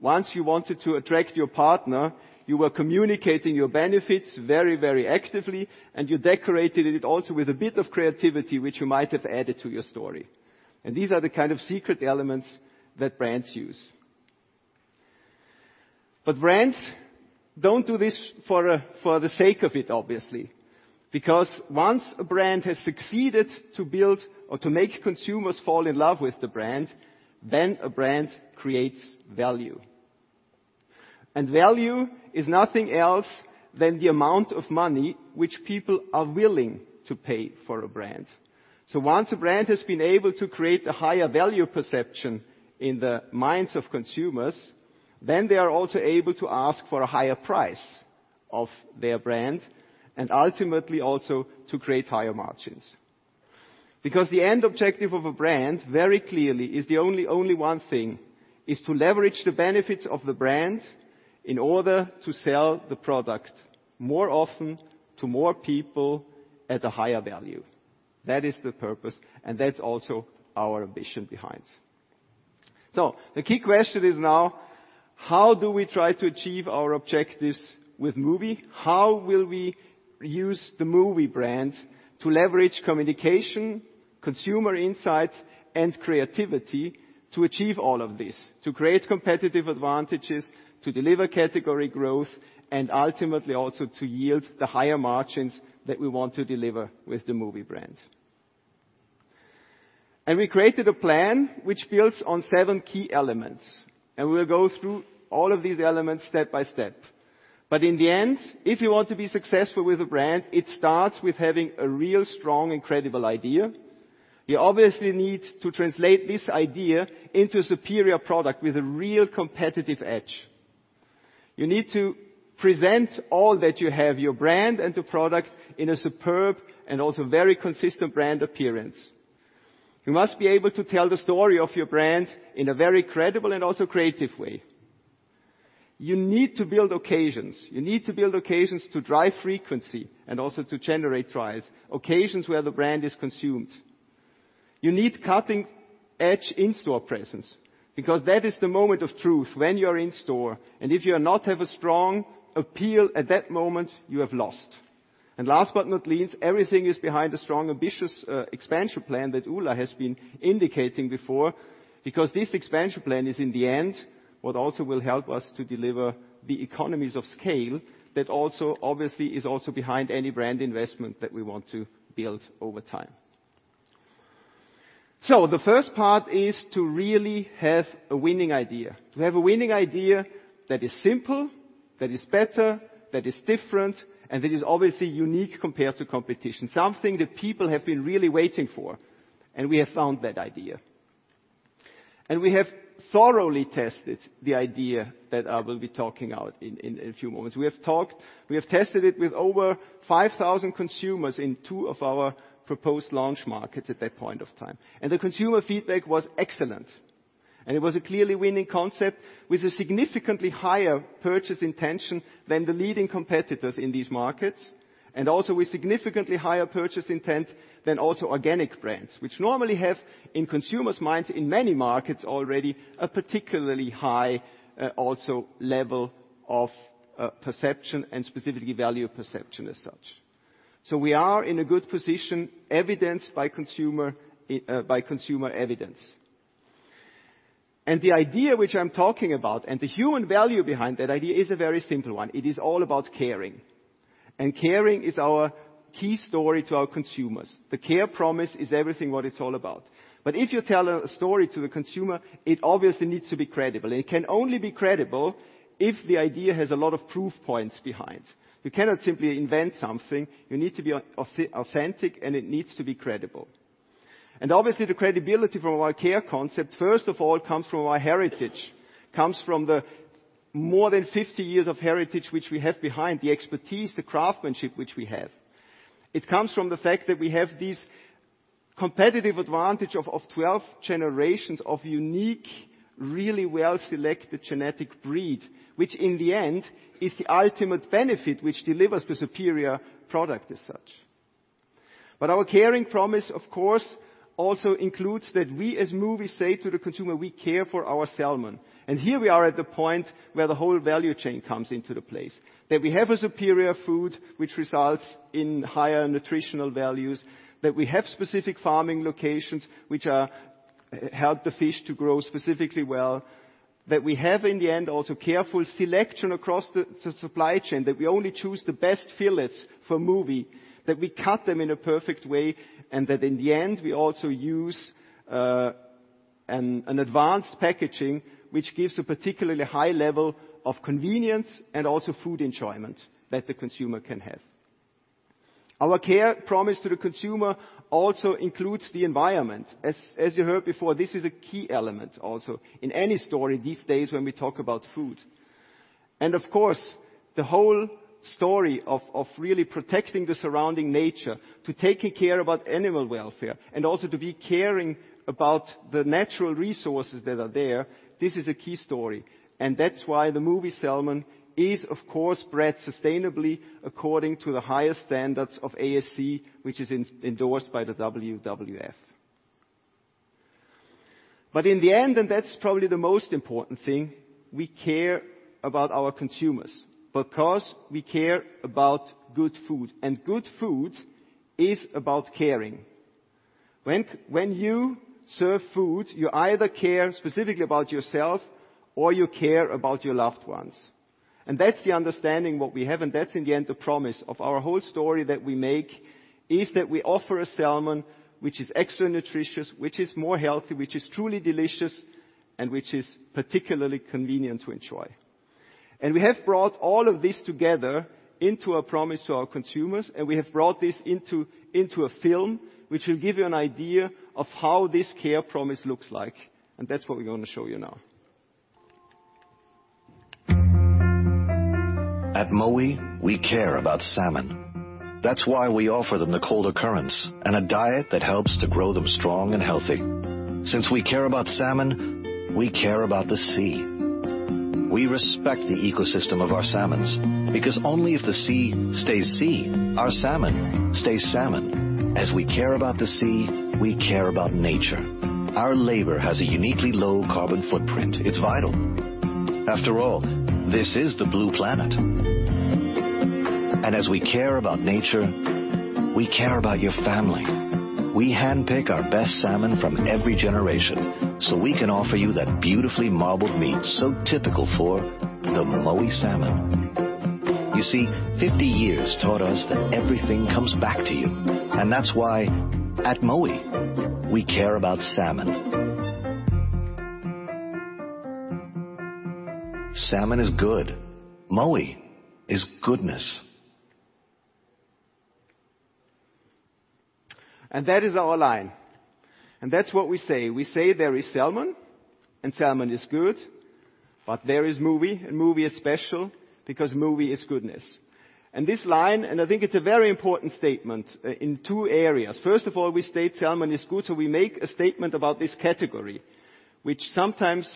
Once you wanted to attract your partner, you were communicating your benefits very actively, and you decorated it also with a bit of creativity, which you might have added to your story. These are the kind of secret elements that brands use. Brands don't do this for the sake of it, obviously, because once a brand has succeeded to build or to make consumers fall in love with the brand, then a brand creates value. Value is nothing else than the amount of money which people are willing to pay for a brand. Once a brand has been able to create a higher value perception in the minds of consumers, then they are also able to ask for a higher price of their brand and ultimately also to create higher margins. Because the end objective of a brand, very clearly, is the only one thing, is to leverage the benefits of the brand in order to sell the product more often to more people at a higher value. That is the purpose, and that's also our ambition behind. The key question is now, how do we try to achieve our objectives with Mowi? How will we use the Mowi brand to leverage communication, consumer insights, and creativity to achieve all of this, to create competitive advantages, to deliver category growth, and ultimately also to yield the higher margins that we want to deliver with the Mowi brand? We created a plan which builds on seven key elements, and we will go through all of these elements step by step. In the end, if you want to be successful with a brand, it starts with having a real strong and credible idea. You obviously need to translate this idea into a superior product with a real competitive edge. You need to present all that you have, your brand and the product, in a superb and also very consistent brand appearance. You must be able to tell the story of your brand in a very credible and also creative way. You need to build occasions. You need to build occasions to drive frequency and also to generate trials, occasions where the brand is consumed. You need cutting-edge in-store presence, because that is the moment of truth when you are in store, and if you are not have a strong appeal at that moment, you have lost. Last but not least, everything is behind a strong, ambitious expansion plan that Ola has been indicating before, because this expansion plan is, in the end, what also will help us to deliver the economies of scale that also obviously is also behind any brand investment that we want to build over time. The first part is to really have a winning idea. To have a winning idea that is simple, that is better, that is different, and that is obviously unique compared to competition. Something that people have been really waiting for, and we have found that idea. We have thoroughly tested the idea that I will be talking out in a few moments. We have tested it with over 5,000 consumers in two of our proposed launch markets at that point of time. The consumer feedback was excellent. It was a clearly winning concept with a significantly higher purchase intention than the leading competitors in these markets, and also with significantly higher purchase intent than also organic brands, which normally have, in consumers' minds, in many markets already, a particularly high level of perception and specifically value perception as such. We are in a good position, evidenced by consumer evidence. The idea which I'm talking about and the human value behind that idea is a very simple one. It is all about caring, and caring is our key story to our consumers. The care promise is everything what it's all about. If you tell a story to the consumer, it obviously needs to be credible, and it can only be credible if the idea has a lot of proof points behind. You cannot simply invent something. You need to be authentic, and it needs to be credible. Obviously, the credibility from our care concept, first of all, comes from our heritage. Comes from the more than 50 years of heritage which we have behind, the expertise, the craftsmanship which we have. It comes from the fact that we have this competitive advantage of 12 generations of unique, really well-selected genetic breed, which in the end is the ultimate benefit which delivers the superior product as such. Our caring promise, of course, also includes that we as Mowi say to the consumer we care for our salmon. Here we are at the point where the whole value chain comes into the place. That we have a superior food which results in higher nutritional values, that we have specific farming locations which help the fish to grow specifically well, that we have in the end also careful selection across the supply chain, that we only choose the best fillets for Mowi, that we cut them in a perfect way, and that in the end we also use an advanced packaging, which gives a particularly high level of convenience and also food enjoyment that the consumer can have. Our care promise to the consumer also includes the environment. As you heard before, this is a key element also in any story these days when we talk about food. Of course, the whole story of really protecting the surrounding nature, to taking care about animal welfare, and also to be caring about the natural resources that are there, this is a key story. That's why the Mowi salmon is, of course, bred sustainably according to the highest standards of ASC, which is endorsed by the WWF. In the end, and that's probably the most important thing, we care about our consumers because we care about good food, and good food is about caring. When you serve food, you either care specifically about yourself, or you care about your loved ones. That's the understanding what we have, and that's in the end the promise of our whole story that we make is that we offer a salmon which is extra nutritious, which is more healthy, which is truly delicious, and which is particularly convenient to enjoy. We have brought all of this together into a promise to our consumers. We have brought this into a film, which will give you an idea of how this care promise looks like. That's what we're going to show you now. At Mowi, we care about salmon. That's why we offer them the cold currents and a diet that helps to grow them strong and healthy. Since we care about salmon, we care about the sea. We respect the ecosystem of our salmon because only if the sea stays sea, our salmon stays salmon. As we care about the sea, we care about nature. Our labor has a uniquely low carbon footprint. It's vital. After all, this is the Blue Planet. As we care about nature, we care about your family. We handpick our best salmon from every generation, so we can offer you that beautifully marbled meat so typical for the Mowi salmon. You see, 50 years taught us that everything comes back to you. That's why at Mowi, we care about salmon. Salmon is good. Mowi is goodness. That is our line. That's what we say. We say there is salmon. Salmon is good, but there is Mowi. Mowi is special because Mowi is goodness. This line, I think it's a very important statement in two areas. First of all, we state salmon is good, we make a statement about this category, which sometimes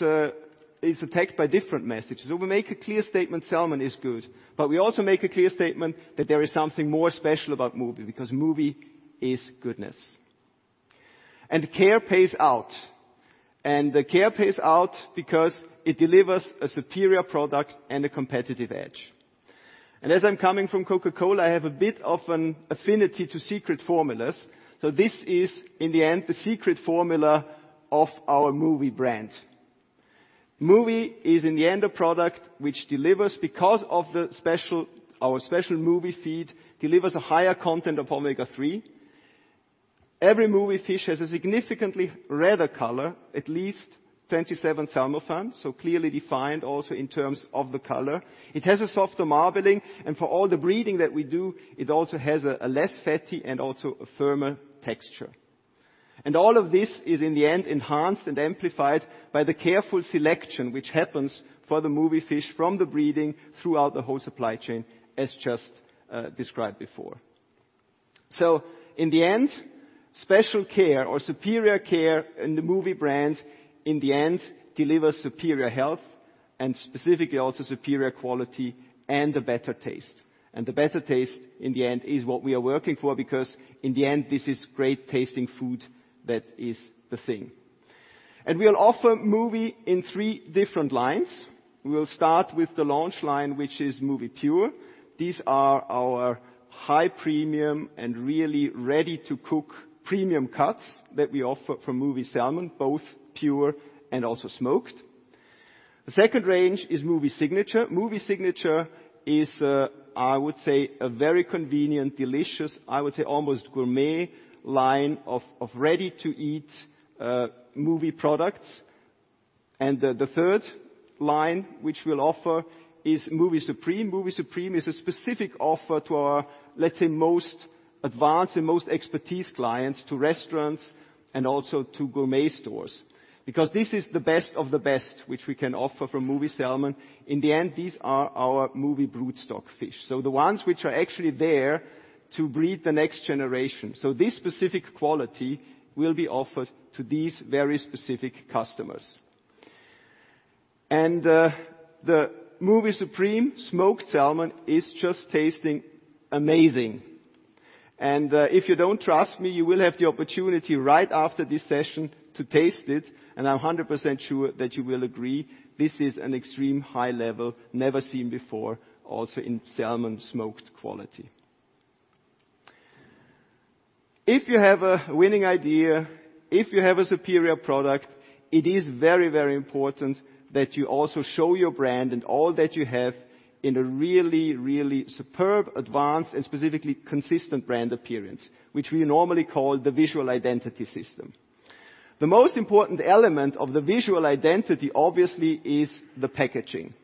is attacked by different messages. We make a clear statement, salmon is good. We also make a clear statement that there is something more special about Mowi because Mowi is goodness. Care pays out. The care pays out because it delivers a superior product and a competitive edge. As I'm coming from Coca-Cola, I have a bit of an affinity to secret formulas. This is, in the end, the secret formula of our Mowi brand. Mowi is in the end a product which, because of our special Mowi feed, delivers a higher content of Omega-3. Every Mowi fish has a significantly redder color, at least 27 SalmoFan, clearly defined also in terms of the color. It has a softer marbling. For all the breeding that we do, it also has a less fatty and also a firmer texture. All of this is in the end enhanced and amplified by the careful selection, which happens for the Mowi fish from the breeding throughout the whole supply chain, as just described before. In the end, special care or superior care in the Mowi brand delivers superior health and specifically also superior quality and a better taste. The better taste in the end is what we are working for, because in the end, this is great tasting food that is the thing. We'll offer Mowi in three different lines. We will start with the launch line, which is MOWI Pure. These are our high premium and really ready-to-cook premium cuts that we offer from Mowi salmon, both pure and also smoked. The second range is MOWI Signature. MOWI Signature is, I would say, a very convenient, delicious, I would say almost gourmet line of ready-to-eat Mowi products. The third line which we'll offer is MOWI Supreme. MOWI Supreme is a specific offer to our, let's say, most advanced and most expertise clients, to restaurants and also to gourmet stores. Because this is the best of the best, which we can offer from Mowi Salmon. In the end, these are our Mowi broodstock fish, so the ones which are actually there to breed the next generation. This specific quality will be offered to these very specific customers. The MOWI Supreme smoked salmon is just tasting amazing. If you don't trust me, you will have the opportunity right after this session to taste it, and I'm 100% sure that you will agree, this is an extreme high level, never seen before, also in salmon smoked quality. If you have a winning idea, if you have a superior product, it is very important that you also show your brand and all that you have in a really superb advanced and specifically consistent brand appearance, which we normally call the visual identity system. The most important element of the visual identity obviously is the packaging,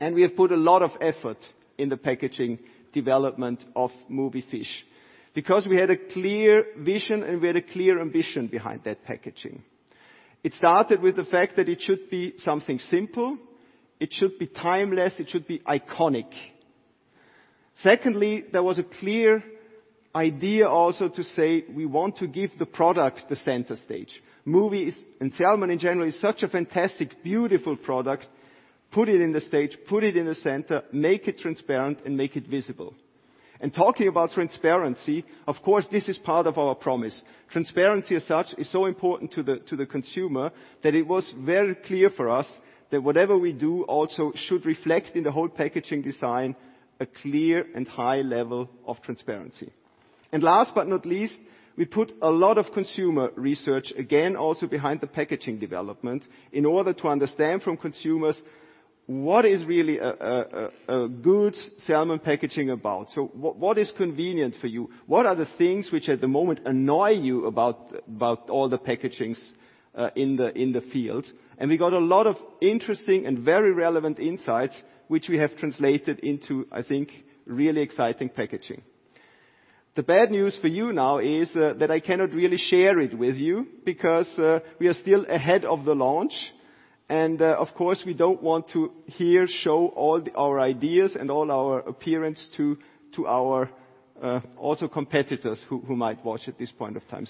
we have put a lot of effort in the packaging development of Mowi fish because we had a clear vision and we had a clear ambition behind that packaging. It started with the fact that it should be something simple, it should be timeless, it should be iconic. Secondly, there was a clear idea also to say we want to give the product the center stage. Mowi is, and salmon in general, is such a fantastic, beautiful product. Put it in the stage, put it in the center, make it transparent, and make it visible. Talking about transparency, of course, this is part of our promise. Transparency as such is so important to the consumer that it was very clear for us that whatever we do also should reflect in the whole packaging design a clear and high level of transparency. Last but not least, we put a lot of consumer research, again, also behind the packaging development in order to understand from consumers what is really a good salmon packaging about. What is convenient for you? What are the things which at the moment annoy you about all the packagings in the field? We got a lot of interesting and very relevant insights, which we have translated into, I think, really exciting packaging. The bad news for you now is that I cannot really share it with you because we are still ahead of the launch. Of course, we don't want to here show all our ideas and all our appearance to our also competitors who might watch at this point of time.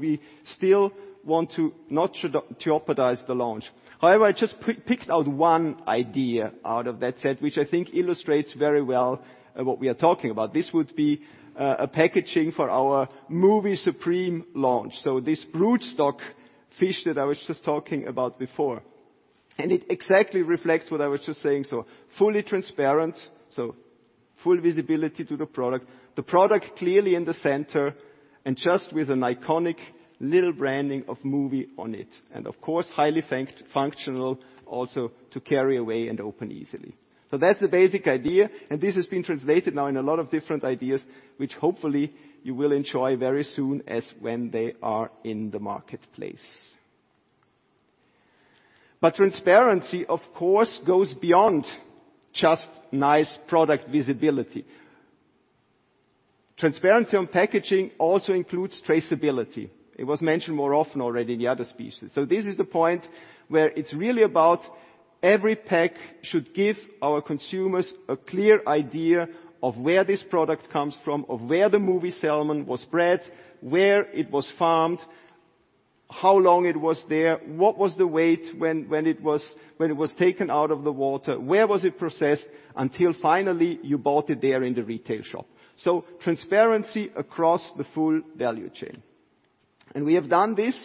We still want to not jeopardize the launch. However, I just picked out one idea out of that set, which I think illustrates very well what we are talking about. This would be a packaging for our MOWI Supreme launch. This broodstock fish that I was just talking about before, and it exactly reflects what I was just saying. Fully transparent, so full visibility to the product, the product clearly in the center and just with an iconic little branding of Mowi on it. Of course, highly functional also to carry away and open easily. That's the basic idea, and this has been translated now in a lot of different ideas, which hopefully you will enjoy very soon as when they are in the marketplace. Transparency of course goes beyond just nice product visibility. Transparency on packaging also includes traceability. It was mentioned more often already in the other speeches. This is the point where it's really about every pack should give our consumers a clear idea of where this product comes from, of where the Mowi salmon was bred, where it was farmed, how long it was there, what was the weight when it was taken out of the water, where was it processed until finally you bought it there in the retail shop. Transparency across the full value chain. We have done this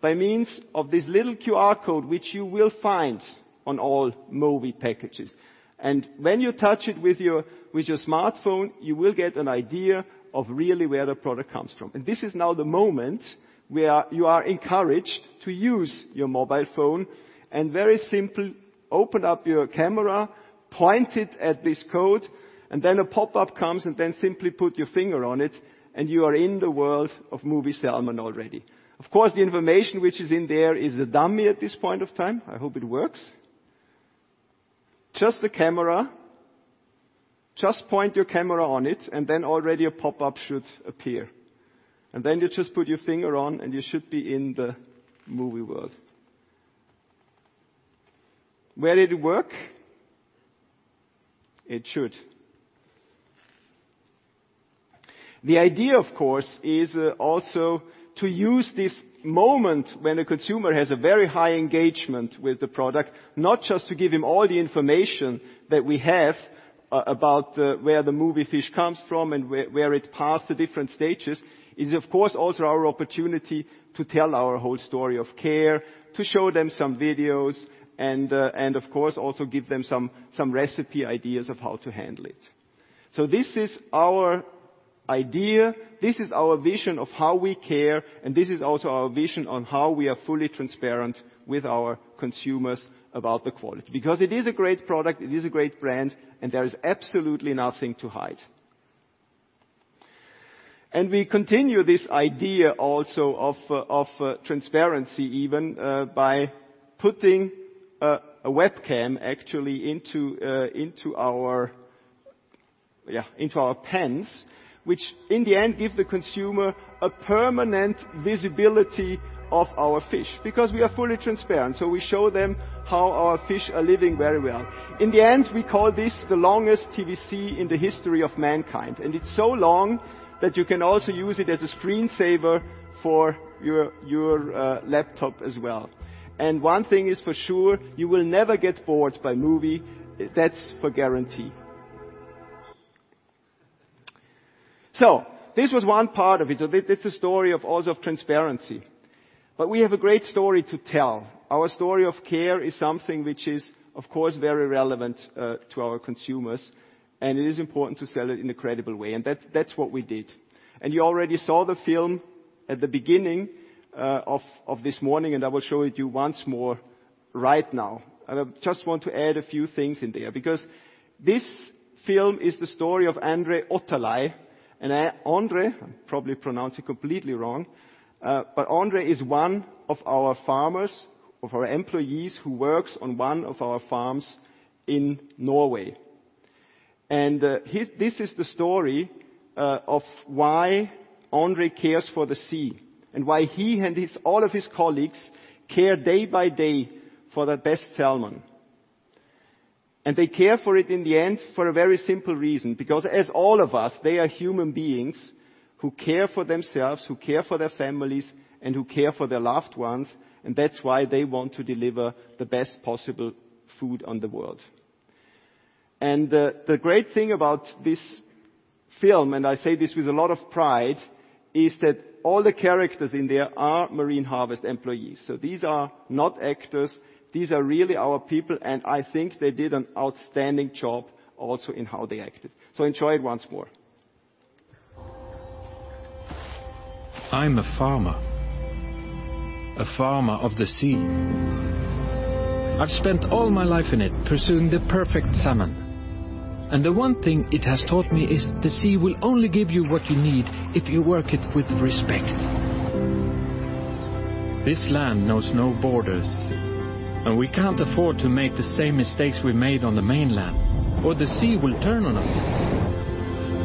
by means of this little QR code, which you will find on all Mowi packages. When you touch it with your smartphone, you will get an idea of really where the product comes from. This is now the moment where you are encouraged to use your mobile phone and very simple, open up your camera, point it at this code, and then a pop-up comes, and then simply put your finger on it, and you are in the world of Mowi salmon already. Of course, the information which is in there is a dummy at this point of time. I hope it works. Just the camera. Just point your camera on it, and then already a pop-up should appear. Then you just put your finger on, and you should be in the Mowi world. Where did it work? It should. The idea, of course, is also to use this moment when a consumer has a very high engagement with the product, not just to give him all the information that we have about where the Mowi fish comes from and where it passed the different stages is, of course, also our opportunity to tell our whole story of care, to show them some videos and, of course, also give them some recipe ideas of how to handle it. This is our idea, this is our vision of how we care, and this is also our vision on how we are fully transparent with our consumers about the quality. It is a great product, it is a great brand, and there is absolutely nothing to hide. We continue this idea also of transparency even by putting a webcam actually into our pens, which in the end give the consumer a permanent visibility of our fish because we are fully transparent. We show them how our fish are living very well. In the end, we call this the longest TVC in the history of mankind, and it's so long that you can also use it as a screensaver for your laptop as well. One thing is for sure, you will never get bored by Mowi. That's for guarantee. This was one part of it. It's a story of also of transparency. We have a great story to tell. Our story of care is something which is, of course, very relevant to our consumers, and it is important to sell it in a credible way, and that's what we did. You already saw the film at the beginning of this morning, and I will show it you once more right now. I just want to add a few things in there because this film is the story of André Otterlei. André, I probably pronounce it completely wrong, but André is one of our farmers, of our employees who works on one of our farms in Norway. This is the story of why André cares for the sea and why he and all of his colleagues care day by day for the best salmon. They care for it in the end for a very simple reason, because as all of us, they are human beings who care for themselves, who care for their families, and who care for their loved ones, and that's why they want to deliver the best possible food on the world. The great thing about this film, and I say this with a lot of pride, is that all the characters in there are Marine Harvest employees. These are not actors. These are really our people, and I think they did an outstanding job also in how they acted. Enjoy it once more. I'm a farmer, a farmer of the sea. I've spent all my life in it pursuing the perfect salmon, and the one thing it has taught me is the sea will only give you what you need if you work it with respect. This land knows no borders, we can't afford to make the same mistakes we made on the mainland or the sea will turn on us.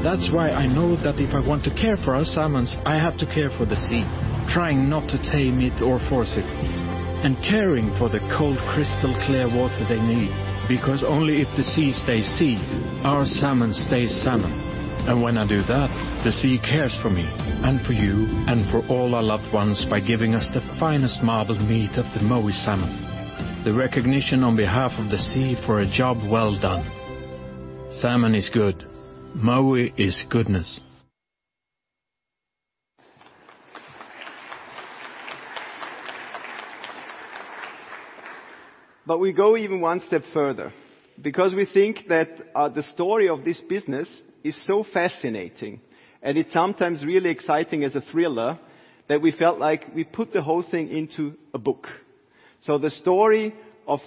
That's why I know that if I want to care for our salmons, I have to care for the sea, trying not to tame it or force it, caring for the cold, crystal clear water they need. Only if the sea stays sea, our salmon stays salmon. When I do that, the sea cares for me and for you and for all our loved ones by giving us the finest marbled meat of the Mowi salmon. The recognition on behalf of the sea for a job well done. Salmon is good. Mowi is goodness. We go even one step further because we think that the story of this business is so fascinating and it's sometimes really exciting as a thriller that we felt like we put the whole thing into a book. The story of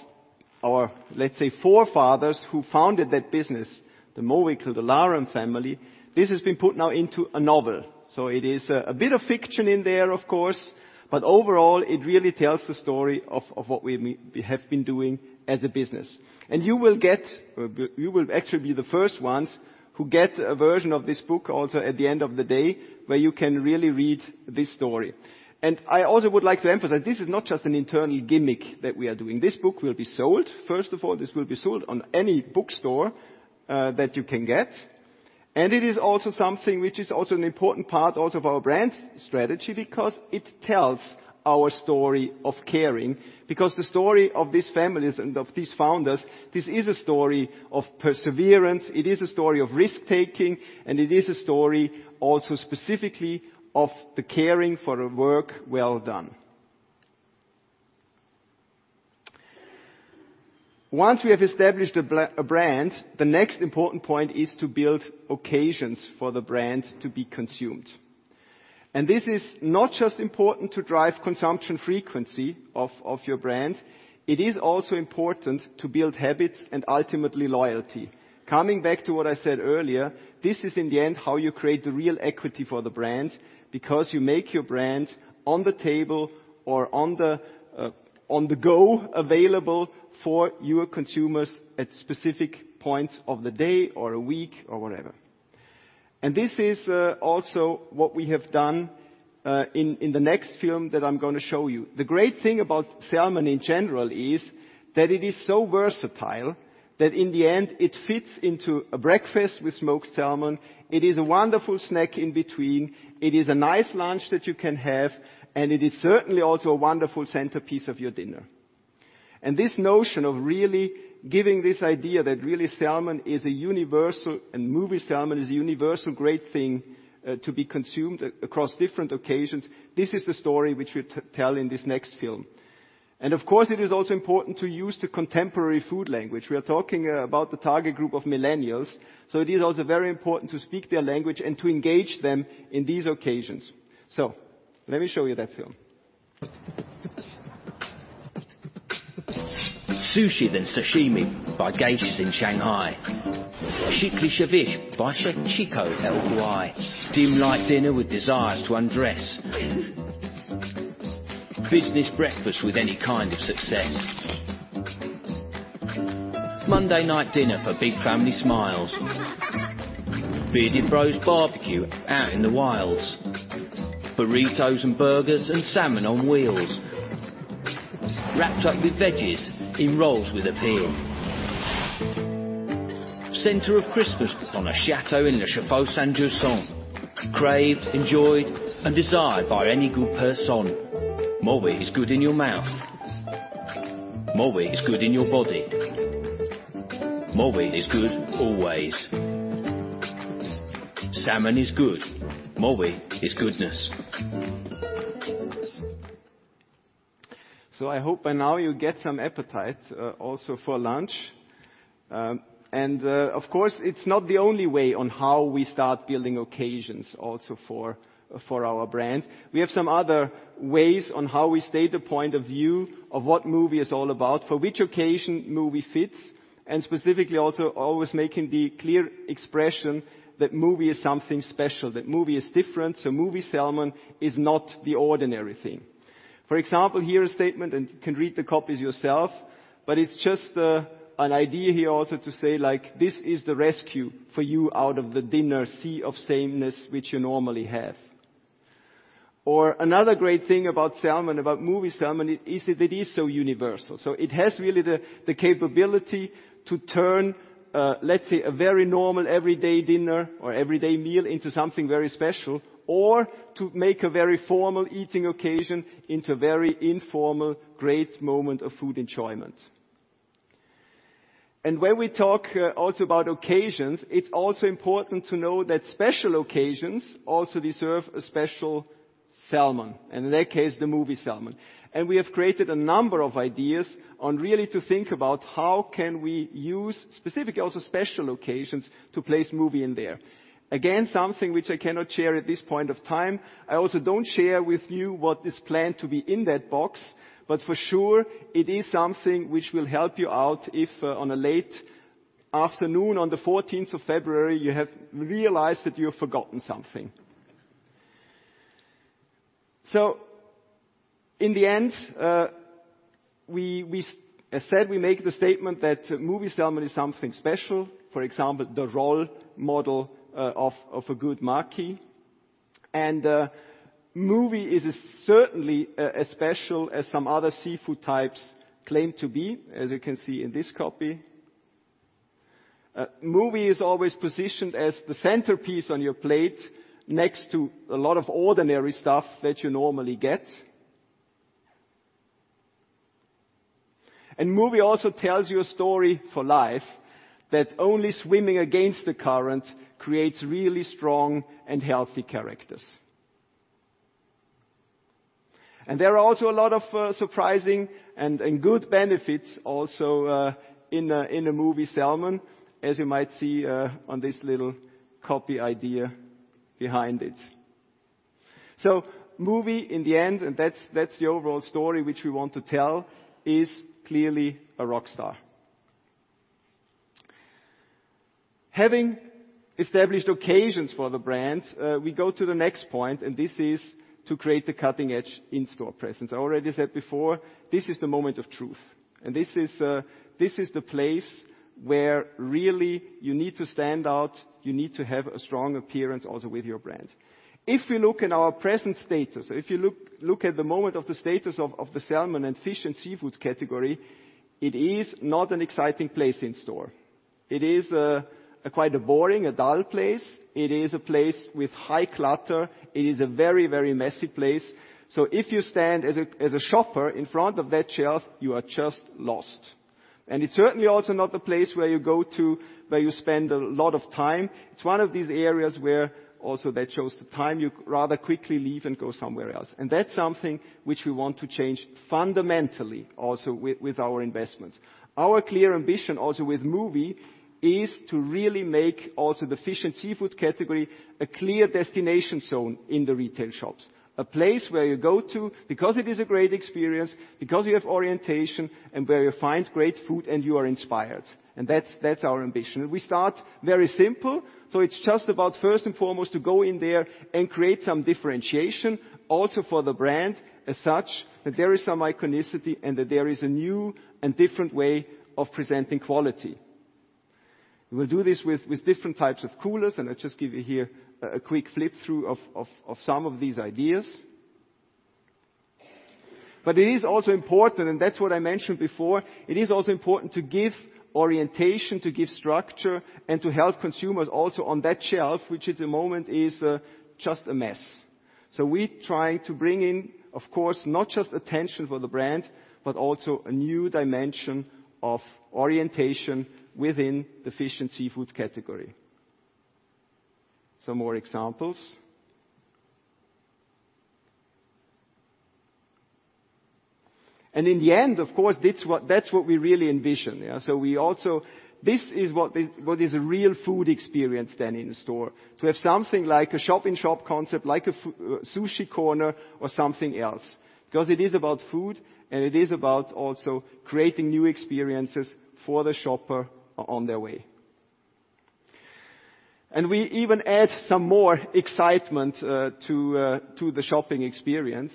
our, let's say, forefathers who founded that business, the Mowi to the Lerum family, this has been put now into a novel. It is a bit of fiction in there, of course, but overall, it really tells the story of what we have been doing as a business. You will actually be the first ones who get a version of this book also at the end of the day, where you can really read this story. I also would like to emphasize, this is not just an internal gimmick that we are doing. This book will be sold. First of all, this will be sold on any bookstore that you can get. It is also something which is also an important part also of our brand strategy because it tells our story of caring, because the story of these families and of these founders, this is a story of perseverance, it is a story of risk-taking, and it is a story also specifically of the caring for a work well done. Once we have established a brand, the next important point is to build occasions for the brand to be consumed. This is not just important to drive consumption frequency of your brand, it is also important to build habits and ultimately loyalty. Coming back to what I said earlier, this is in the end how you create the real equity for the brand, because you make your brand on the table or on the go available for your consumers at specific points of the day or a week or whatever. This is also what we have done in the next film that I'm going to show you. The great thing about salmon in general is that it is so versatile that in the end it fits into a breakfast with smoked salmon, it is a wonderful snack in between, it is a nice lunch that you can have, and it is certainly also a wonderful centerpiece of your dinner. This notion of really giving this idea that really salmon is a universal, and Mowi salmon is a universal great thing to be consumed across different occasions, this is the story which we tell in this next film. Of course, it is also important to use the contemporary food language. We are talking about the target group of millennials, so it is also very important to speak their language and to engage them in these occasions. Let me show you that film. {Presentation} I hope by now you get some appetite, also for lunch. Of course, it's not the only way on how we start building occasions also for our brand. We have some other ways on how we state the point of view of what Mowi is all about, for which occasion Mowi fits, and specifically also always making the clear expression that Mowi is something special, that Mowi is different. Mowi salmon is not the ordinary thing. For example, here a statement, and you can read the copies yourself, but it's just an idea here also to say, "This is the rescue for you out of the dinner sea of sameness which you normally have." Another great thing about salmon, about Mowi salmon, is that it is so universal. It has really the capability to turn, let's say, a very normal everyday dinner or everyday meal into something very special, or to make a very formal eating occasion into a very informal, great moment of food enjoyment. When we talk also about occasions, it's also important to know that special occasions also deserve a special salmon, and in that case, the Mowi salmon. We have created a number of ideas on really to think about how can we use specific, also special occasions to place Mowi in there. Again, something which I cannot share at this point of time. I also don't share with you what is planned to be in that box, but for sure, it is something which will help you out if on a late afternoon on the 14th of February, you have realized that you have forgotten something. In the end, as said, we make the statement that Mowi salmon is something special. For example, the role model of a good market. Mowi is certainly as special as some other seafood types claim to be, as you can see in this copy. Mowi is always positioned as the centerpiece on your plate, next to a lot of ordinary stuff that you normally get. Mowi also tells you a story for life, that only swimming against the current creates really strong and healthy characters. There are also a lot of surprising and good benefits also in a Mowi salmon, as you might see on this little copy idea behind it. Mowi in the end, and that's the overall story which we want to tell, is clearly a rock star. Having established occasions for the brand, we go to the next point, this is to create the cutting-edge in-store presence. I already said before, this is the moment of truth. This is the place where really you need to stand out, you need to have a strong appearance also with your brand. If we look in our present status, if you look at the moment of the status of the salmon and fish and seafood category, it is not an exciting place in-store. It is quite a boring, a dull place. It is a place with high clutter. It is a very, very messy place. If you stand as a shopper in front of that shelf, you are just lost. It's certainly also not the place where you go to, where you spend a lot of time. It's one of these areas where also that shows the time you rather quickly leave and go somewhere else. That's something which we want to change fundamentally also with our investments. Our clear ambition, also with Mowi, is to really make also the fish and seafood category a clear destination zone in the retail shops, a place where you go to because it is a great experience, because you have orientation, and where you find great food, and you are inspired. That's our ambition. We start very simple. It's just about first and foremost to go in there and create some differentiation also for the brand as such, that there is some iconicity and that there is a new and different way of presenting quality. We'll do this with different types of coolers, I'll just give you here a quick flip through of some of these ideas. It is also important, and that's what I mentioned before, it is also important to give orientation, to give structure, and to help consumers also on that shelf, which at the moment is just a mess. We try to bring in, of course, not just attention for the brand, but also a new dimension of orientation within the fish and seafood category. Some more examples. In the end, of course, that's what we really envision. This is what is a real food experience then in store. To have something like a shop-in-shop concept, like a sushi corner or something else. It is about food, and it is about also creating new experiences for the shopper on their way. We even add some more excitement to the shopping experience.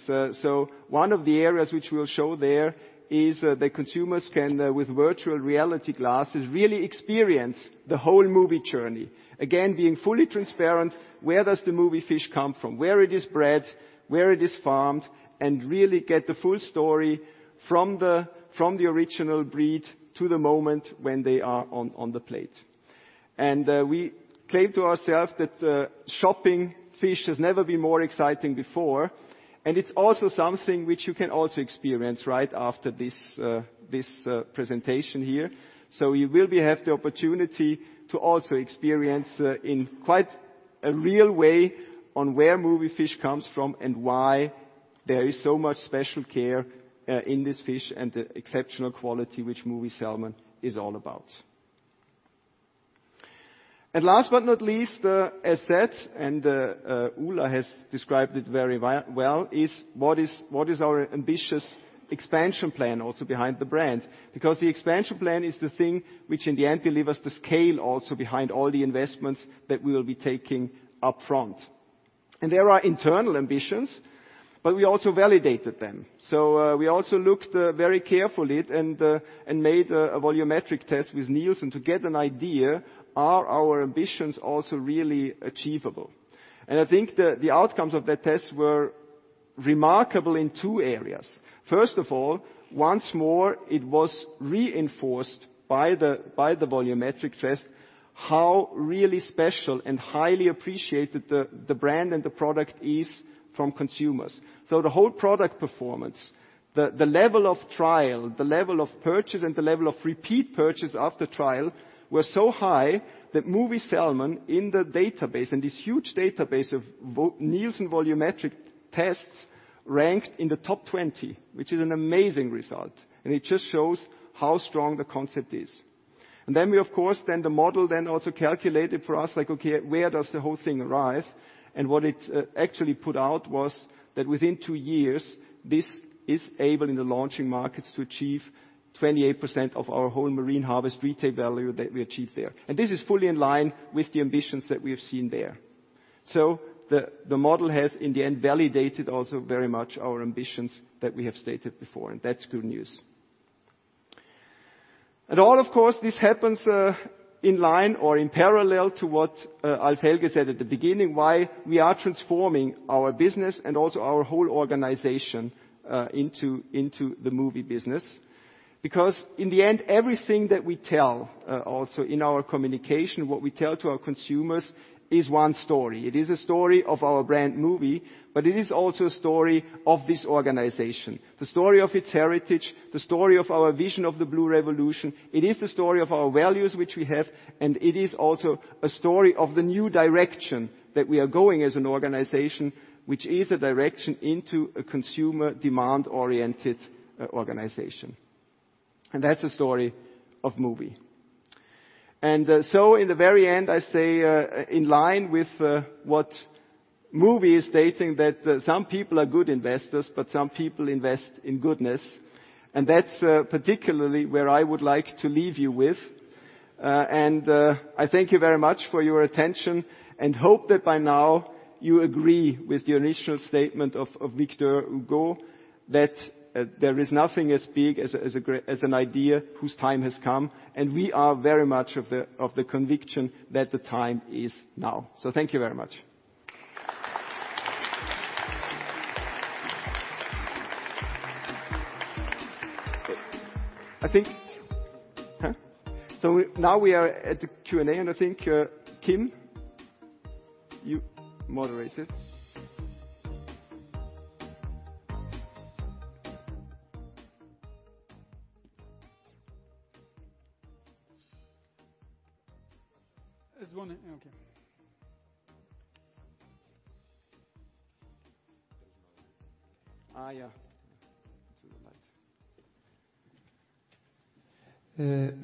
One of the areas which we'll show there is that consumers can, with virtual reality glasses, really experience the whole Mowi journey. Again, being fully transparent, where does the Mowi fish come from, where it is bred, where it is farmed, and really get the full story from the original breed to the moment when they are on the plate. We claim to ourselves that shopping fish has never been more exciting before, and it's also something which you can also experience right after this presentation here. You will have the opportunity to also experience in quite a real way on where Mowi fish comes from and why there is so much special care in this fish and the exceptional quality which Mowi salmon is all about. Last but not least, as said, and Ola has described it very well, is what is our ambitious expansion plan also behind the brand? The expansion plan is the thing which in the end delivers the scale also behind all the investments that we will be taking up front. There are internal ambitions, but we also validated them. We also looked very carefully and made a volumetric test with Nielsen to get an idea, are our ambitions also really achievable? I think the outcomes of that test were remarkable in two areas. First of all, once more, it was reinforced by the volumetric test how really special and highly appreciated the brand and the product is from consumers. The whole product performance, the level of trial, the level of purchase, and the level of repeat purchase after trial were so high that Mowi salmon in the database, in this huge database of Nielsen volumetric tests, ranked in the top 20, which is an amazing result. It just shows how strong the concept is. Then we of course, then the model then also calculated for us, like, okay, where does the whole thing arrive? What it actually put out was that within two years, this is able in the launching markets to achieve 28% of our whole Marine Harvest retail value that we achieved there. This is fully in line with the ambitions that we have seen there. The model has in the end validated also very much our ambitions that we have stated before. That's good news. All of course, this happens in line or in parallel to what Alf-Helge Aarskog said at the beginning, why we are transforming our business and also our whole organization into the Mowi business. In the end, everything that we tell also in our communication, what we tell to our consumers is one story. It is a story of our brand Mowi, but it is also a story of this organization, the story of its heritage, the story of our vision of the Blue Revolution. It is the story of our values, which we have, and it is also a story of the new direction that we are going as an organization, which is a direction into a consumer demand-oriented organization. That's the story of Mowi. In the very end, I say, in line with what Mowi is stating, that some people are good investors, but some people invest in goodness. That's particularly where I would like to leave you with. I thank you very much for your attention and hope that by now you agree with the initial statement of Victor Hugo, that there is nothing as big as an idea whose time has come. We are very much of the conviction that the time is now. Thank you very much. I think. Huh? Now we are at the Q&A, and I think, Kim, you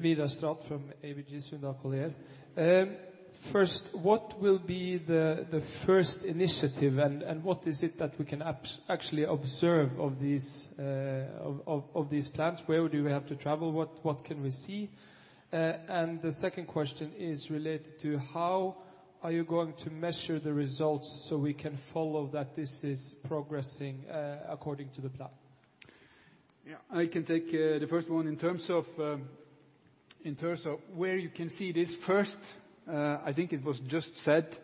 moderate it? There's one in Okay. There's no. Yeah. To the light. Vidar Straand from ABG Sundal Collier. First, what will be the first initiative, what is it that we can actually observe of these plans? Where do we have to travel? What can we see? The second question is related to how are you going to measure the results so we can follow that this is progressing according to the plan? Yeah. I can take the first one. In terms of where you can see this first, I think it was just said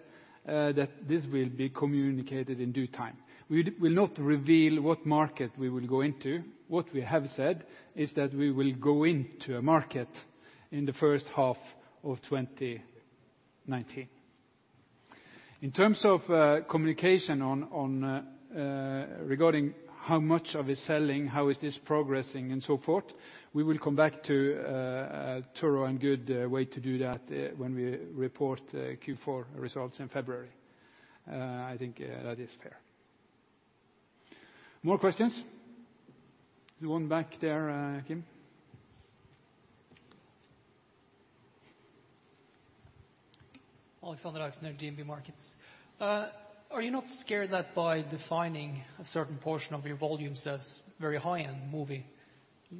that this will be communicated in due time. We will not reveal what market we will go into. What we have said is that we will go into a market in the first half of 2019. In terms of communication regarding how much of a selling, how is this progressing and so forth, we will come back to a thorough and good way to do that when we report Q4 results in February. I think that is fair. More questions? The one back there, Kim. Alexander Ekeløve at DNB Markets. Are you not scared that by defining a certain portion of your volumes as very high-end Mowi,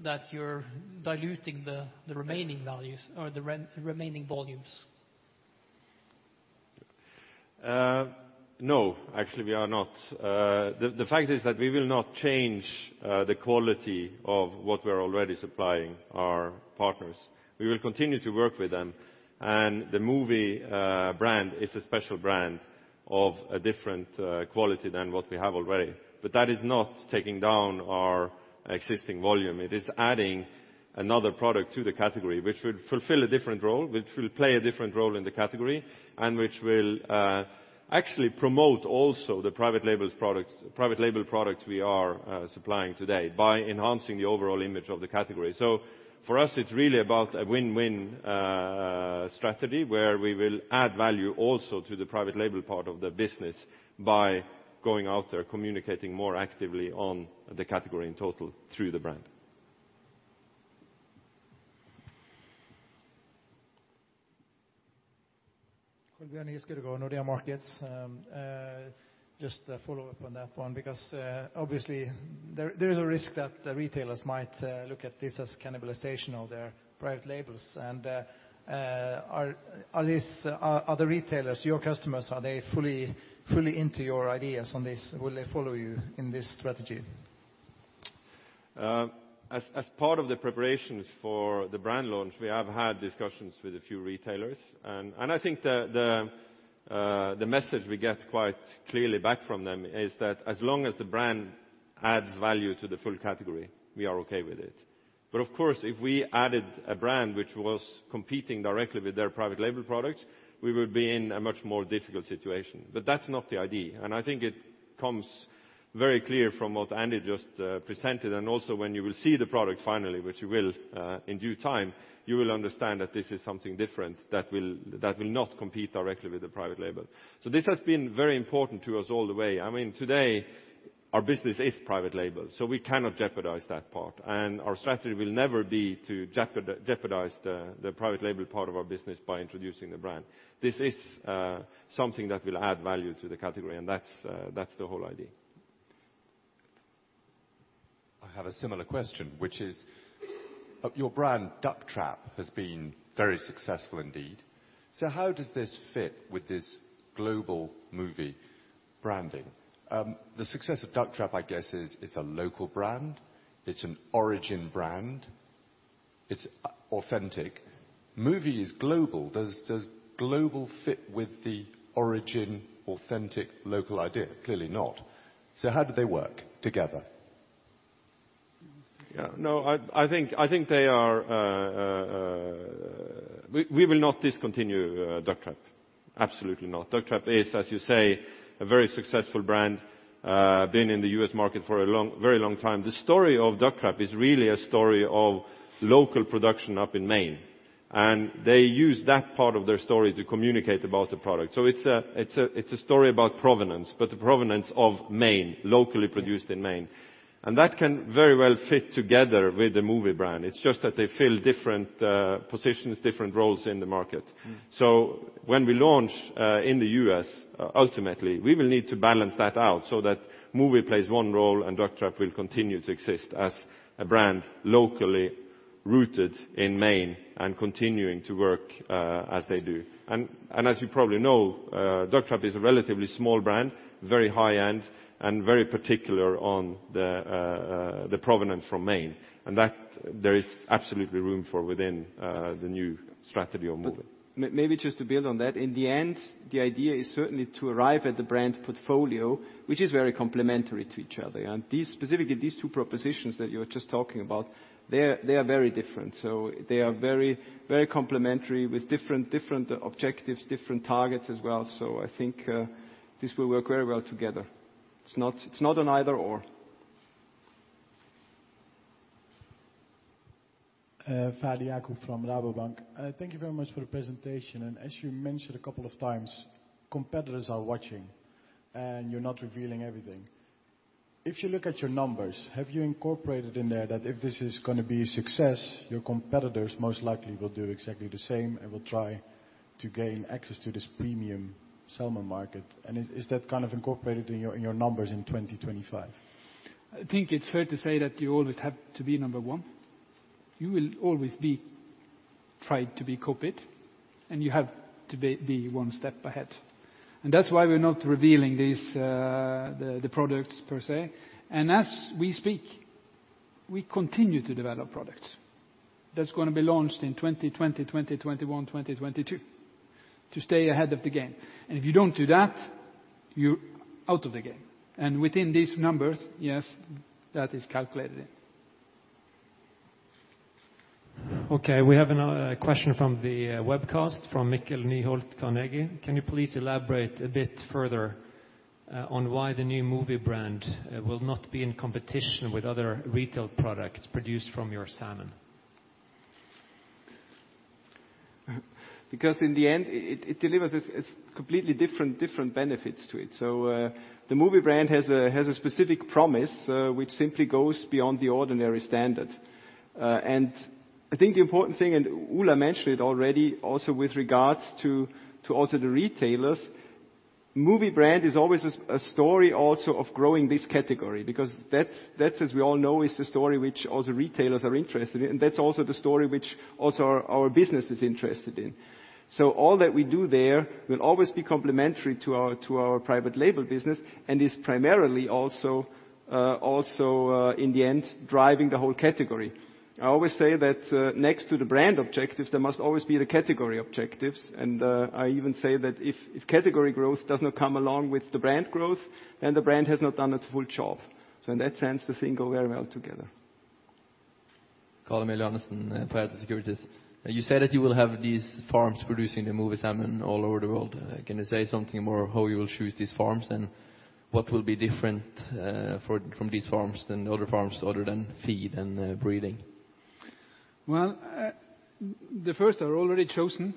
that you're diluting the remaining values or the remaining volumes? No, actually we are not. The fact is that we will not change the quality of what we're already supplying our partners. We will continue to work with them, the Mowi brand is a special brand of a different quality than what we have already. That is not taking down our existing volume. It is adding another product to the category, which will fulfill a different role, which will play a different role in the category, which will actually promote also the private label products we are supplying today by enhancing the overall image of the category. For us, it's really about a win-win strategy, where we will add value also to the private label part of the business by going out there, communicating more actively on the category in total through the brand. Kolbjørn Giskeødegård, Nordea Markets. Just a follow-up on that one, because obviously there is a risk that retailers might look at this as cannibalization of their private labels. Are the retailers, your customers, are they fully into your ideas on this? Will they follow you in this strategy? As part of the preparations for the brand launch, we have had discussions with a few retailers. I think the message we get quite clearly back from them is that as long as the brand adds value to the full category, we are okay with it. Of course, if we added a brand which was competing directly with their private label products, we would be in a much more difficult situation. That's not the idea, and I think it comes very clear from what Andy just presented, and also when you will see the product finally, which you will in due time, you will understand that this is something different that will not compete directly with the private label. This has been very important to us all the way. Today, our business is private label, we cannot jeopardize that part. Our strategy will never be to jeopardize the private label part of our business by introducing the brand. This is something that will add value to the category, and that's the whole idea. I have a similar question, which is, your brand Ducktrap has been very successful indeed. How does this fit with this global Mowi branding? The success of Ducktrap, I guess, is it's a local brand, it's an origin brand, it's authentic. Mowi is global. Does global fit with the origin, authentic, local idea? Clearly not. How do they work together? Yeah. We will not discontinue Ducktrap. Absolutely not. Ducktrap is, as you say, a very successful brand, been in the U.S. market for a very long time. The story of Ducktrap is really a story of local production up in Maine, and they use that part of their story to communicate about the product. It's a story about provenance, but the provenance of Maine, locally produced in Maine. That can very well fit together with the Mowi brand. It's just that they fill different positions, different roles in the market. When we launch in the U.S., ultimately, we will need to balance that out so that Mowi plays one role, and Ducktrap will continue to exist as a brand locally rooted in Maine and continuing to work as they do. As you probably know, Ducktrap is a relatively small brand, very high-end, and very particular on the provenance from Maine. That there is absolutely room for within the new strategy of Mowi. Maybe just to build on that. In the end, the idea is certainly to arrive at the brand portfolio, which is very complementary to each other. Specifically these two propositions that you were just talking about, they are very different. They are very complementary with different objectives, different targets as well. I think this will work very well together. It's not an either/or. Fadi Yacoub from Rabobank. Thank you very much for the presentation. As you mentioned a couple of times, competitors are watching, and you're not revealing everything. If you look at your numbers, have you incorporated in there that if this is going to be a success, your competitors most likely will do exactly the same and will try to gain access to this premium salmon market? Is that kind of incorporated in your numbers in 2025? I think it's fair to say that you always have to be number one. You will always be tried to be copied, and you have to be one step ahead. That's why we're not revealing the products per se. As we speak, we continue to develop products that's going to be launched in 2020, 2021, 2022 to stay ahead of the game. If you don't do that, you're out of the game. Within these numbers, yes, that is calculated in. Okay, we have another question from the webcast from Mikkel Nyholt, Carnegie. Can you please elaborate a bit further on why the new MOWI brand will not be in competition with other retail products produced from your salmon? In the end, it delivers completely different benefits to it. The MOWI brand has a specific promise which simply goes beyond the ordinary standard. I think the important thing, and Ola mentioned it already, also with regards to also the retailers, MOWI brand is always a story also of growing this category, because that, as we all know, is the story which all the retailers are interested in. That's also the story which also our business is interested in. All that we do there will always be complementary to our private label business and is primarily also, in the end, driving the whole category. I always say that next to the brand objectives, there must always be the category objectives. I even say that if category growth does not come along with the brand growth, then the brand has not done its full job. In that sense, the thing go very well together. Carl-Emil Johannessen, Pareto Securities. You said that you will have these farms producing the Mowi salmon all over the world. Can you say something more how you will choose these farms, and what will be different from these farms than other farms other than feed and breeding? Well, the first are already chosen.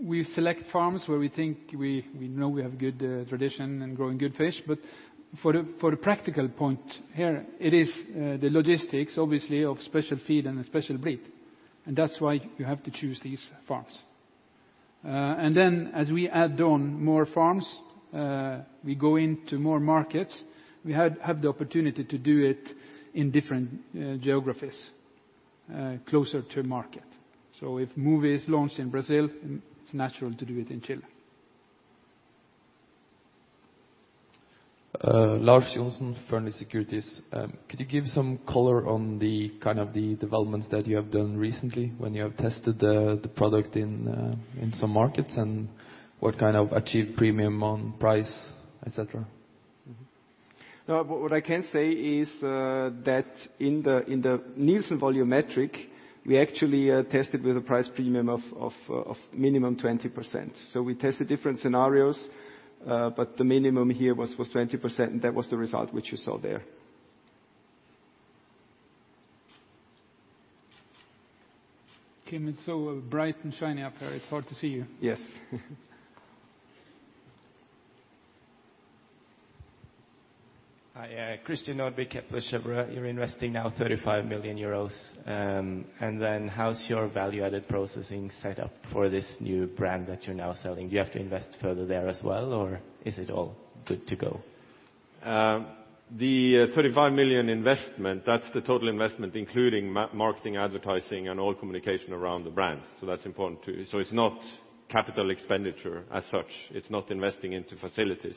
We select farms where we think we know we have good tradition in growing good fish. For the practical point here, it is the logistics, obviously, of special feed and a special breed, and that's why you have to choose these farms. As we add on more farms, we go into more markets. We have the opportunity to do it in different geographies, closer to market. If Mowi is launched in Brazil, it's natural to do it in Chile. Lars Johnsen, Fearnley Securities. Could you give some color on the kind of the developments that you have done recently when you have tested the product in some markets, and what kind of achieved premium on price, et cetera? What I can say is that in the Nielsen volumetric, we actually tested with a price premium of minimum 20%. We tested different scenarios, but the minimum here was 20%, and that was the result which you saw there. Kim, it's so bright and shiny up here, it's hard to see you. Yes. Hi. Christian Nordby, Kepler Cheuvreux. You're investing now 35 million euros. How's your value-added processing set up for this new brand that you're now selling? Do you have to invest further there as well, or is it all good to go? The 35 million investment, that's the total investment, including marketing, advertising, and all communication around the brand. That's important, too. It's not capital expenditure as such. It's not investing into facilities.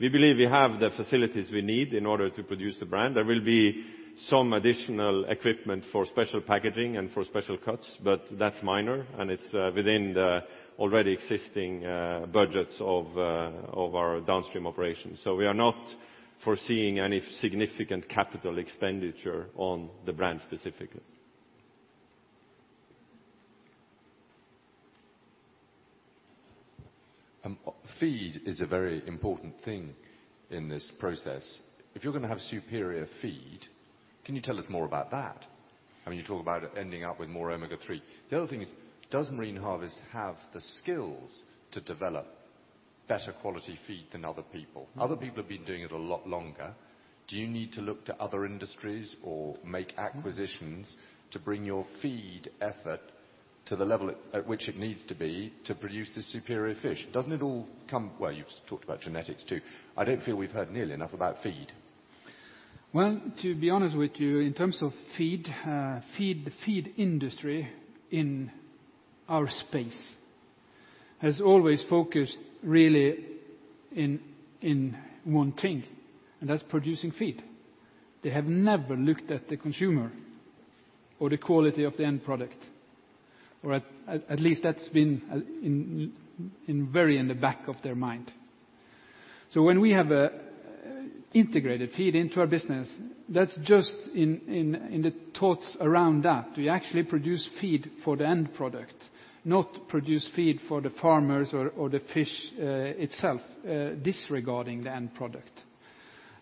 We believe we have the facilities we need in order to produce the brand. There will be some additional equipment for special packaging and for special cuts, but that's minor, and it's within the already existing budgets of our downstream operations. We are not foreseeing any significant capital expenditure on the brand specifically. Feed is a very important thing in this process. If you're going to have superior feed, can you tell us more about that? I mean, you talk about it ending up with more Omega-3. The other thing is, does Marine Harvest have the skills to develop better quality feed than other people? Other people have been doing it a lot longer. Do you need to look to other industries or make acquisitions to bring your feed effort to the level at which it needs to be to produce this superior fish? Well, you've talked about genetics, too. I don't feel we've heard nearly enough about feed. Well, to be honest with you, in terms of feed, the feed industry in our space has always focused really in one thing, and that's producing feed. They have never looked at the consumer or the quality of the end product, or at least that's been very in the back of their mind. When we have integrated feed into our business, that's just in the thoughts around that. Do we actually produce feed for the end product, not produce feed for the farmers or the fish itself disregarding the end product?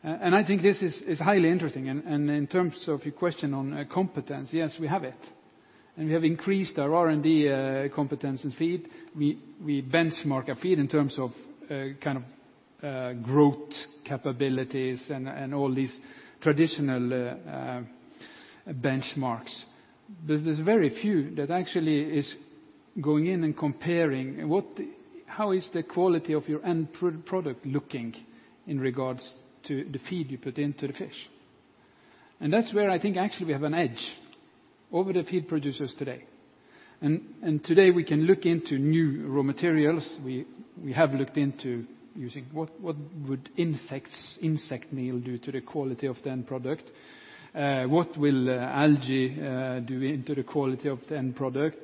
I think this is highly interesting. In terms of your question on competence, yes, we have it. We have increased our R&D competence in feed. We benchmark our feed in terms of growth capabilities and all these traditional benchmarks. There are very few that actually are going in and comparing how is the quality of your end product looking in regards to the feed you put into the fish. That's where I think actually we have an edge over the feed producers today. Today we can look into new raw materials. We have looked into using what would insect meal do to the quality of the end product? What will algae do into the quality of the end product?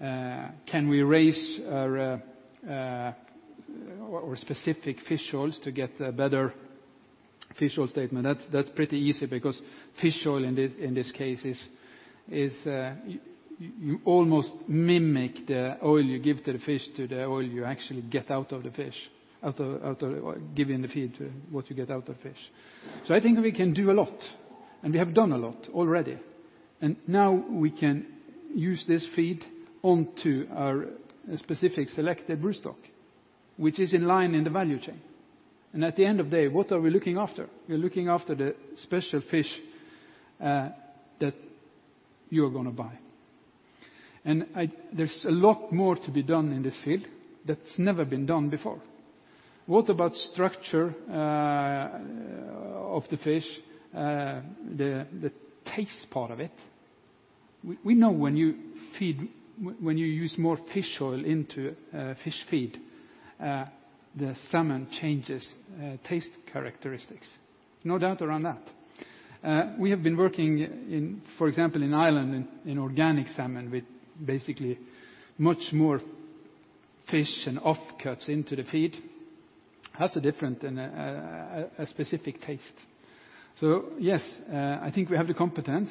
Can we raise our specific fish oils to get a better fish oil statement? That's pretty easy because fish oil, in this case is, you almost mimic the oil you give to the fish, to the oil you actually get out of the fish. I think we can do a lot, and we have done a lot already. Now we can use this feed onto our specific selected broodstock, which is in line in the value chain. At the end of day, what are we looking after? We're looking after the special fish that you're going to buy. There's a lot more to be done in this field that's never been done before. What about structure of the fish? The taste part of it. We know when you use more fish oil into fish feed, the salmon changes taste characteristics. No doubt around that. We have been working in, for example, in Ireland, in organic salmon, with basically much more fish and offcuts into the feed. That's a different and a specific taste. Yes, I think we have the competence.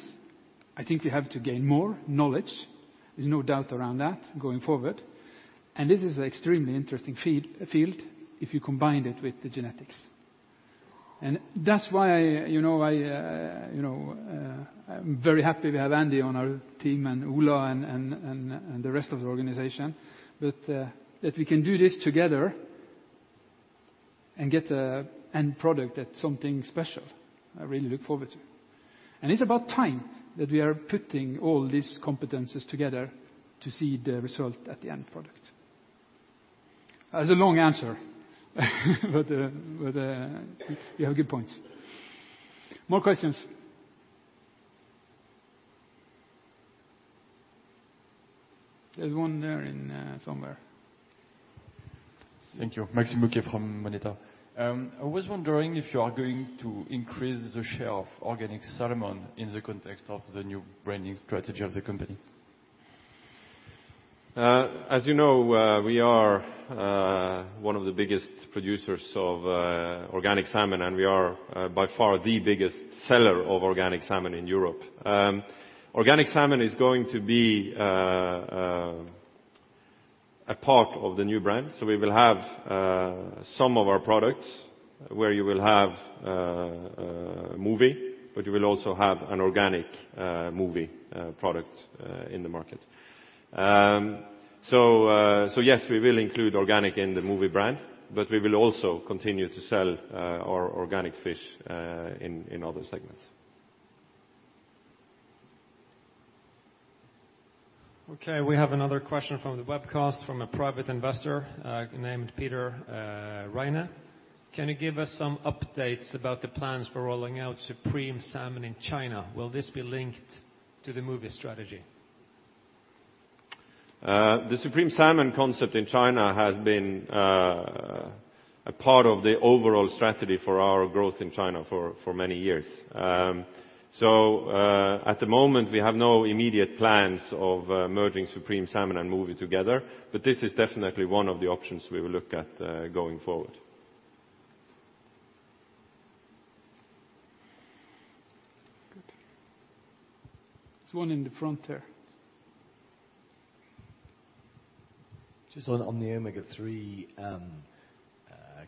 I think we have to gain more knowledge. There's no doubt around that going forward. This is an extremely interesting field if you combine it with the genetics. That's why I'm very happy we have Andy on our team and Ola and the rest of the organization, that we can do this together and get an end product that's something special. I really look forward to it. It's about time that we are putting all these competencies together to see the result at the end product. That's a long answer but you have good points. More questions? There's one there somewhere. Thank you. Maxime Bouquin from Moneta. I was wondering if you are going to increase the share of organic salmon in the context of the new branding strategy of the company. As you know, we are one of the biggest producers of organic salmon, and we are by far the biggest seller of organic salmon in Europe. Organic salmon is going to be a part of the new brand. We will have some of our products where you will have Mowi, you will also have an organic Mowi product in the market. Yes, we will include organic in the Mowi brand, we will also continue to sell our organic fish in other segments. Okay, we have another question from the webcast from a private investor named Peter Reina. Can you give us some updates about the plans for rolling out Supreme Salmon in China? Will this be linked to the Mowi strategy? The Supreme Salmon concept in China has been a part of the overall strategy for our growth in China for many years. At the moment, we have no immediate plans of merging Supreme Salmon and Mowi together, this is definitely one of the options we will look at going forward. Good. There's one in the front there. Just on the Omega-3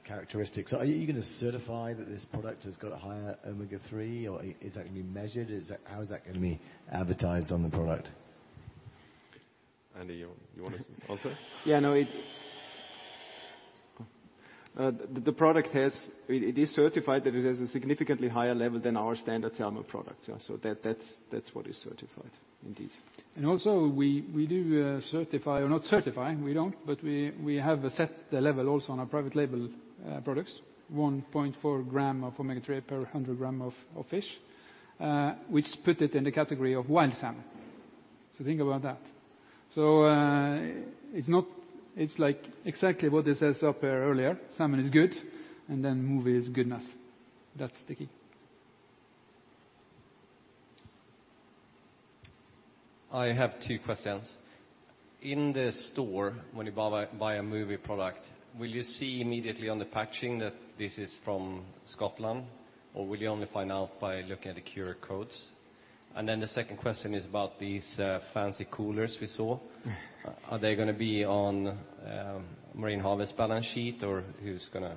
characteristics, are you going to certify that this product has got a higher Omega-3, or is that going to be measured? How is that going to be advertised on the product? Andy, you want to answer? Yeah, no. The product, it is certified that it has a significantly higher level than our standard salmon product. That's what is certified indeed. Also we do certify or not certify, we don't, but we have set the level also on our private label products, 1.4 gram of Omega-3 per 100 gram of fish, which put it in the category of wild salmon. Think about that. It's like exactly what it says up here earlier. Salmon is good. Mowi is good enough. That's the key. I have two questions. In the store, when you buy a Mowi product, will you see immediately on the packaging that this is from Scotland, or will you only find out by looking at the QR codes? The second question is about these fancy coolers we saw. Are they going to be on Marine Harvest balance sheet, or who's going to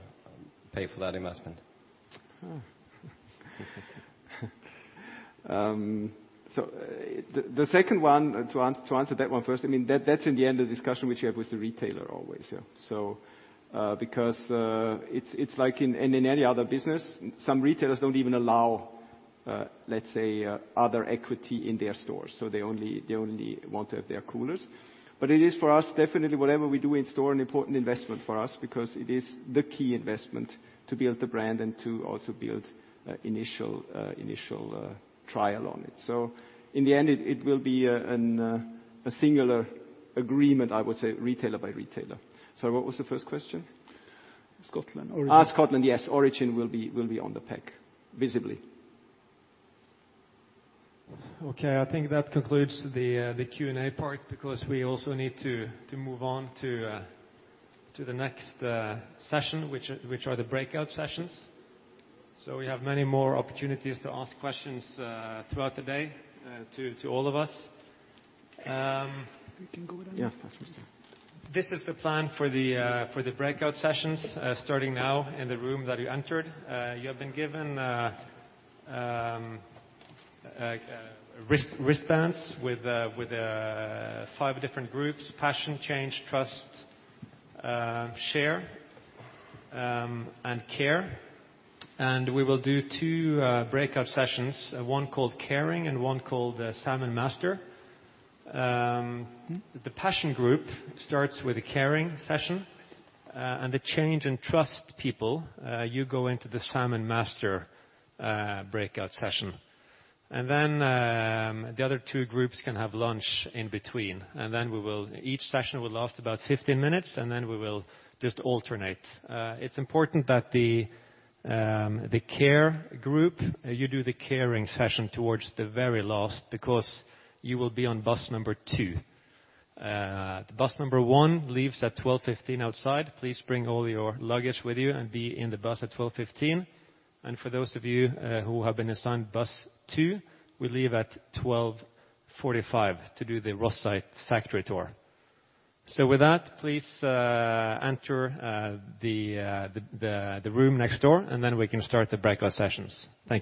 pay for that investment? The second one, to answer that one first, that's in the end of the discussion which you have with the retailer always. It's like in any other business, some retailers don't even allow other equity in their stores, so they only want to have their coolers. It is for us, definitely whatever we do in store, an important investment for us because it is the key investment to build the brand and to also build initial trial on it. In the end, it will be a singular agreement, I would say, retailer by retailer. What was the first question? Scotland origin. Scotland, yes. Origin will be on the pack visibly. Okay, I think that concludes the Q&A part because we also need to move on to the next session, which are the breakout sessions. We have many more opportunities to ask questions throughout the day to all of us. We can go then. Yeah. This is the plan for the breakout sessions starting now in the room that you entered. You have been given wristbands with five different groups: passion, change, trust, share, and care. We will do two breakout sessions, one called Caring and one called Salmon Master. The passion group starts with the Caring session, and the change and trust people you go into the Salmon Master breakout session. The other two groups can have lunch in between. Each session will last about 15 minutes, and then we will just alternate. It's important that the care group, you do the Caring session towards the very last because you will be on bus number two. Bus number one leaves at 12:15 outside. Please bring all your luggage with you and be in the bus at 12:15. For those of you who have been assigned bus two, we leave at 12:45 to do the Rosyth site factory tour. With that, please enter the room next door, and then we can start the breakout sessions. Thank you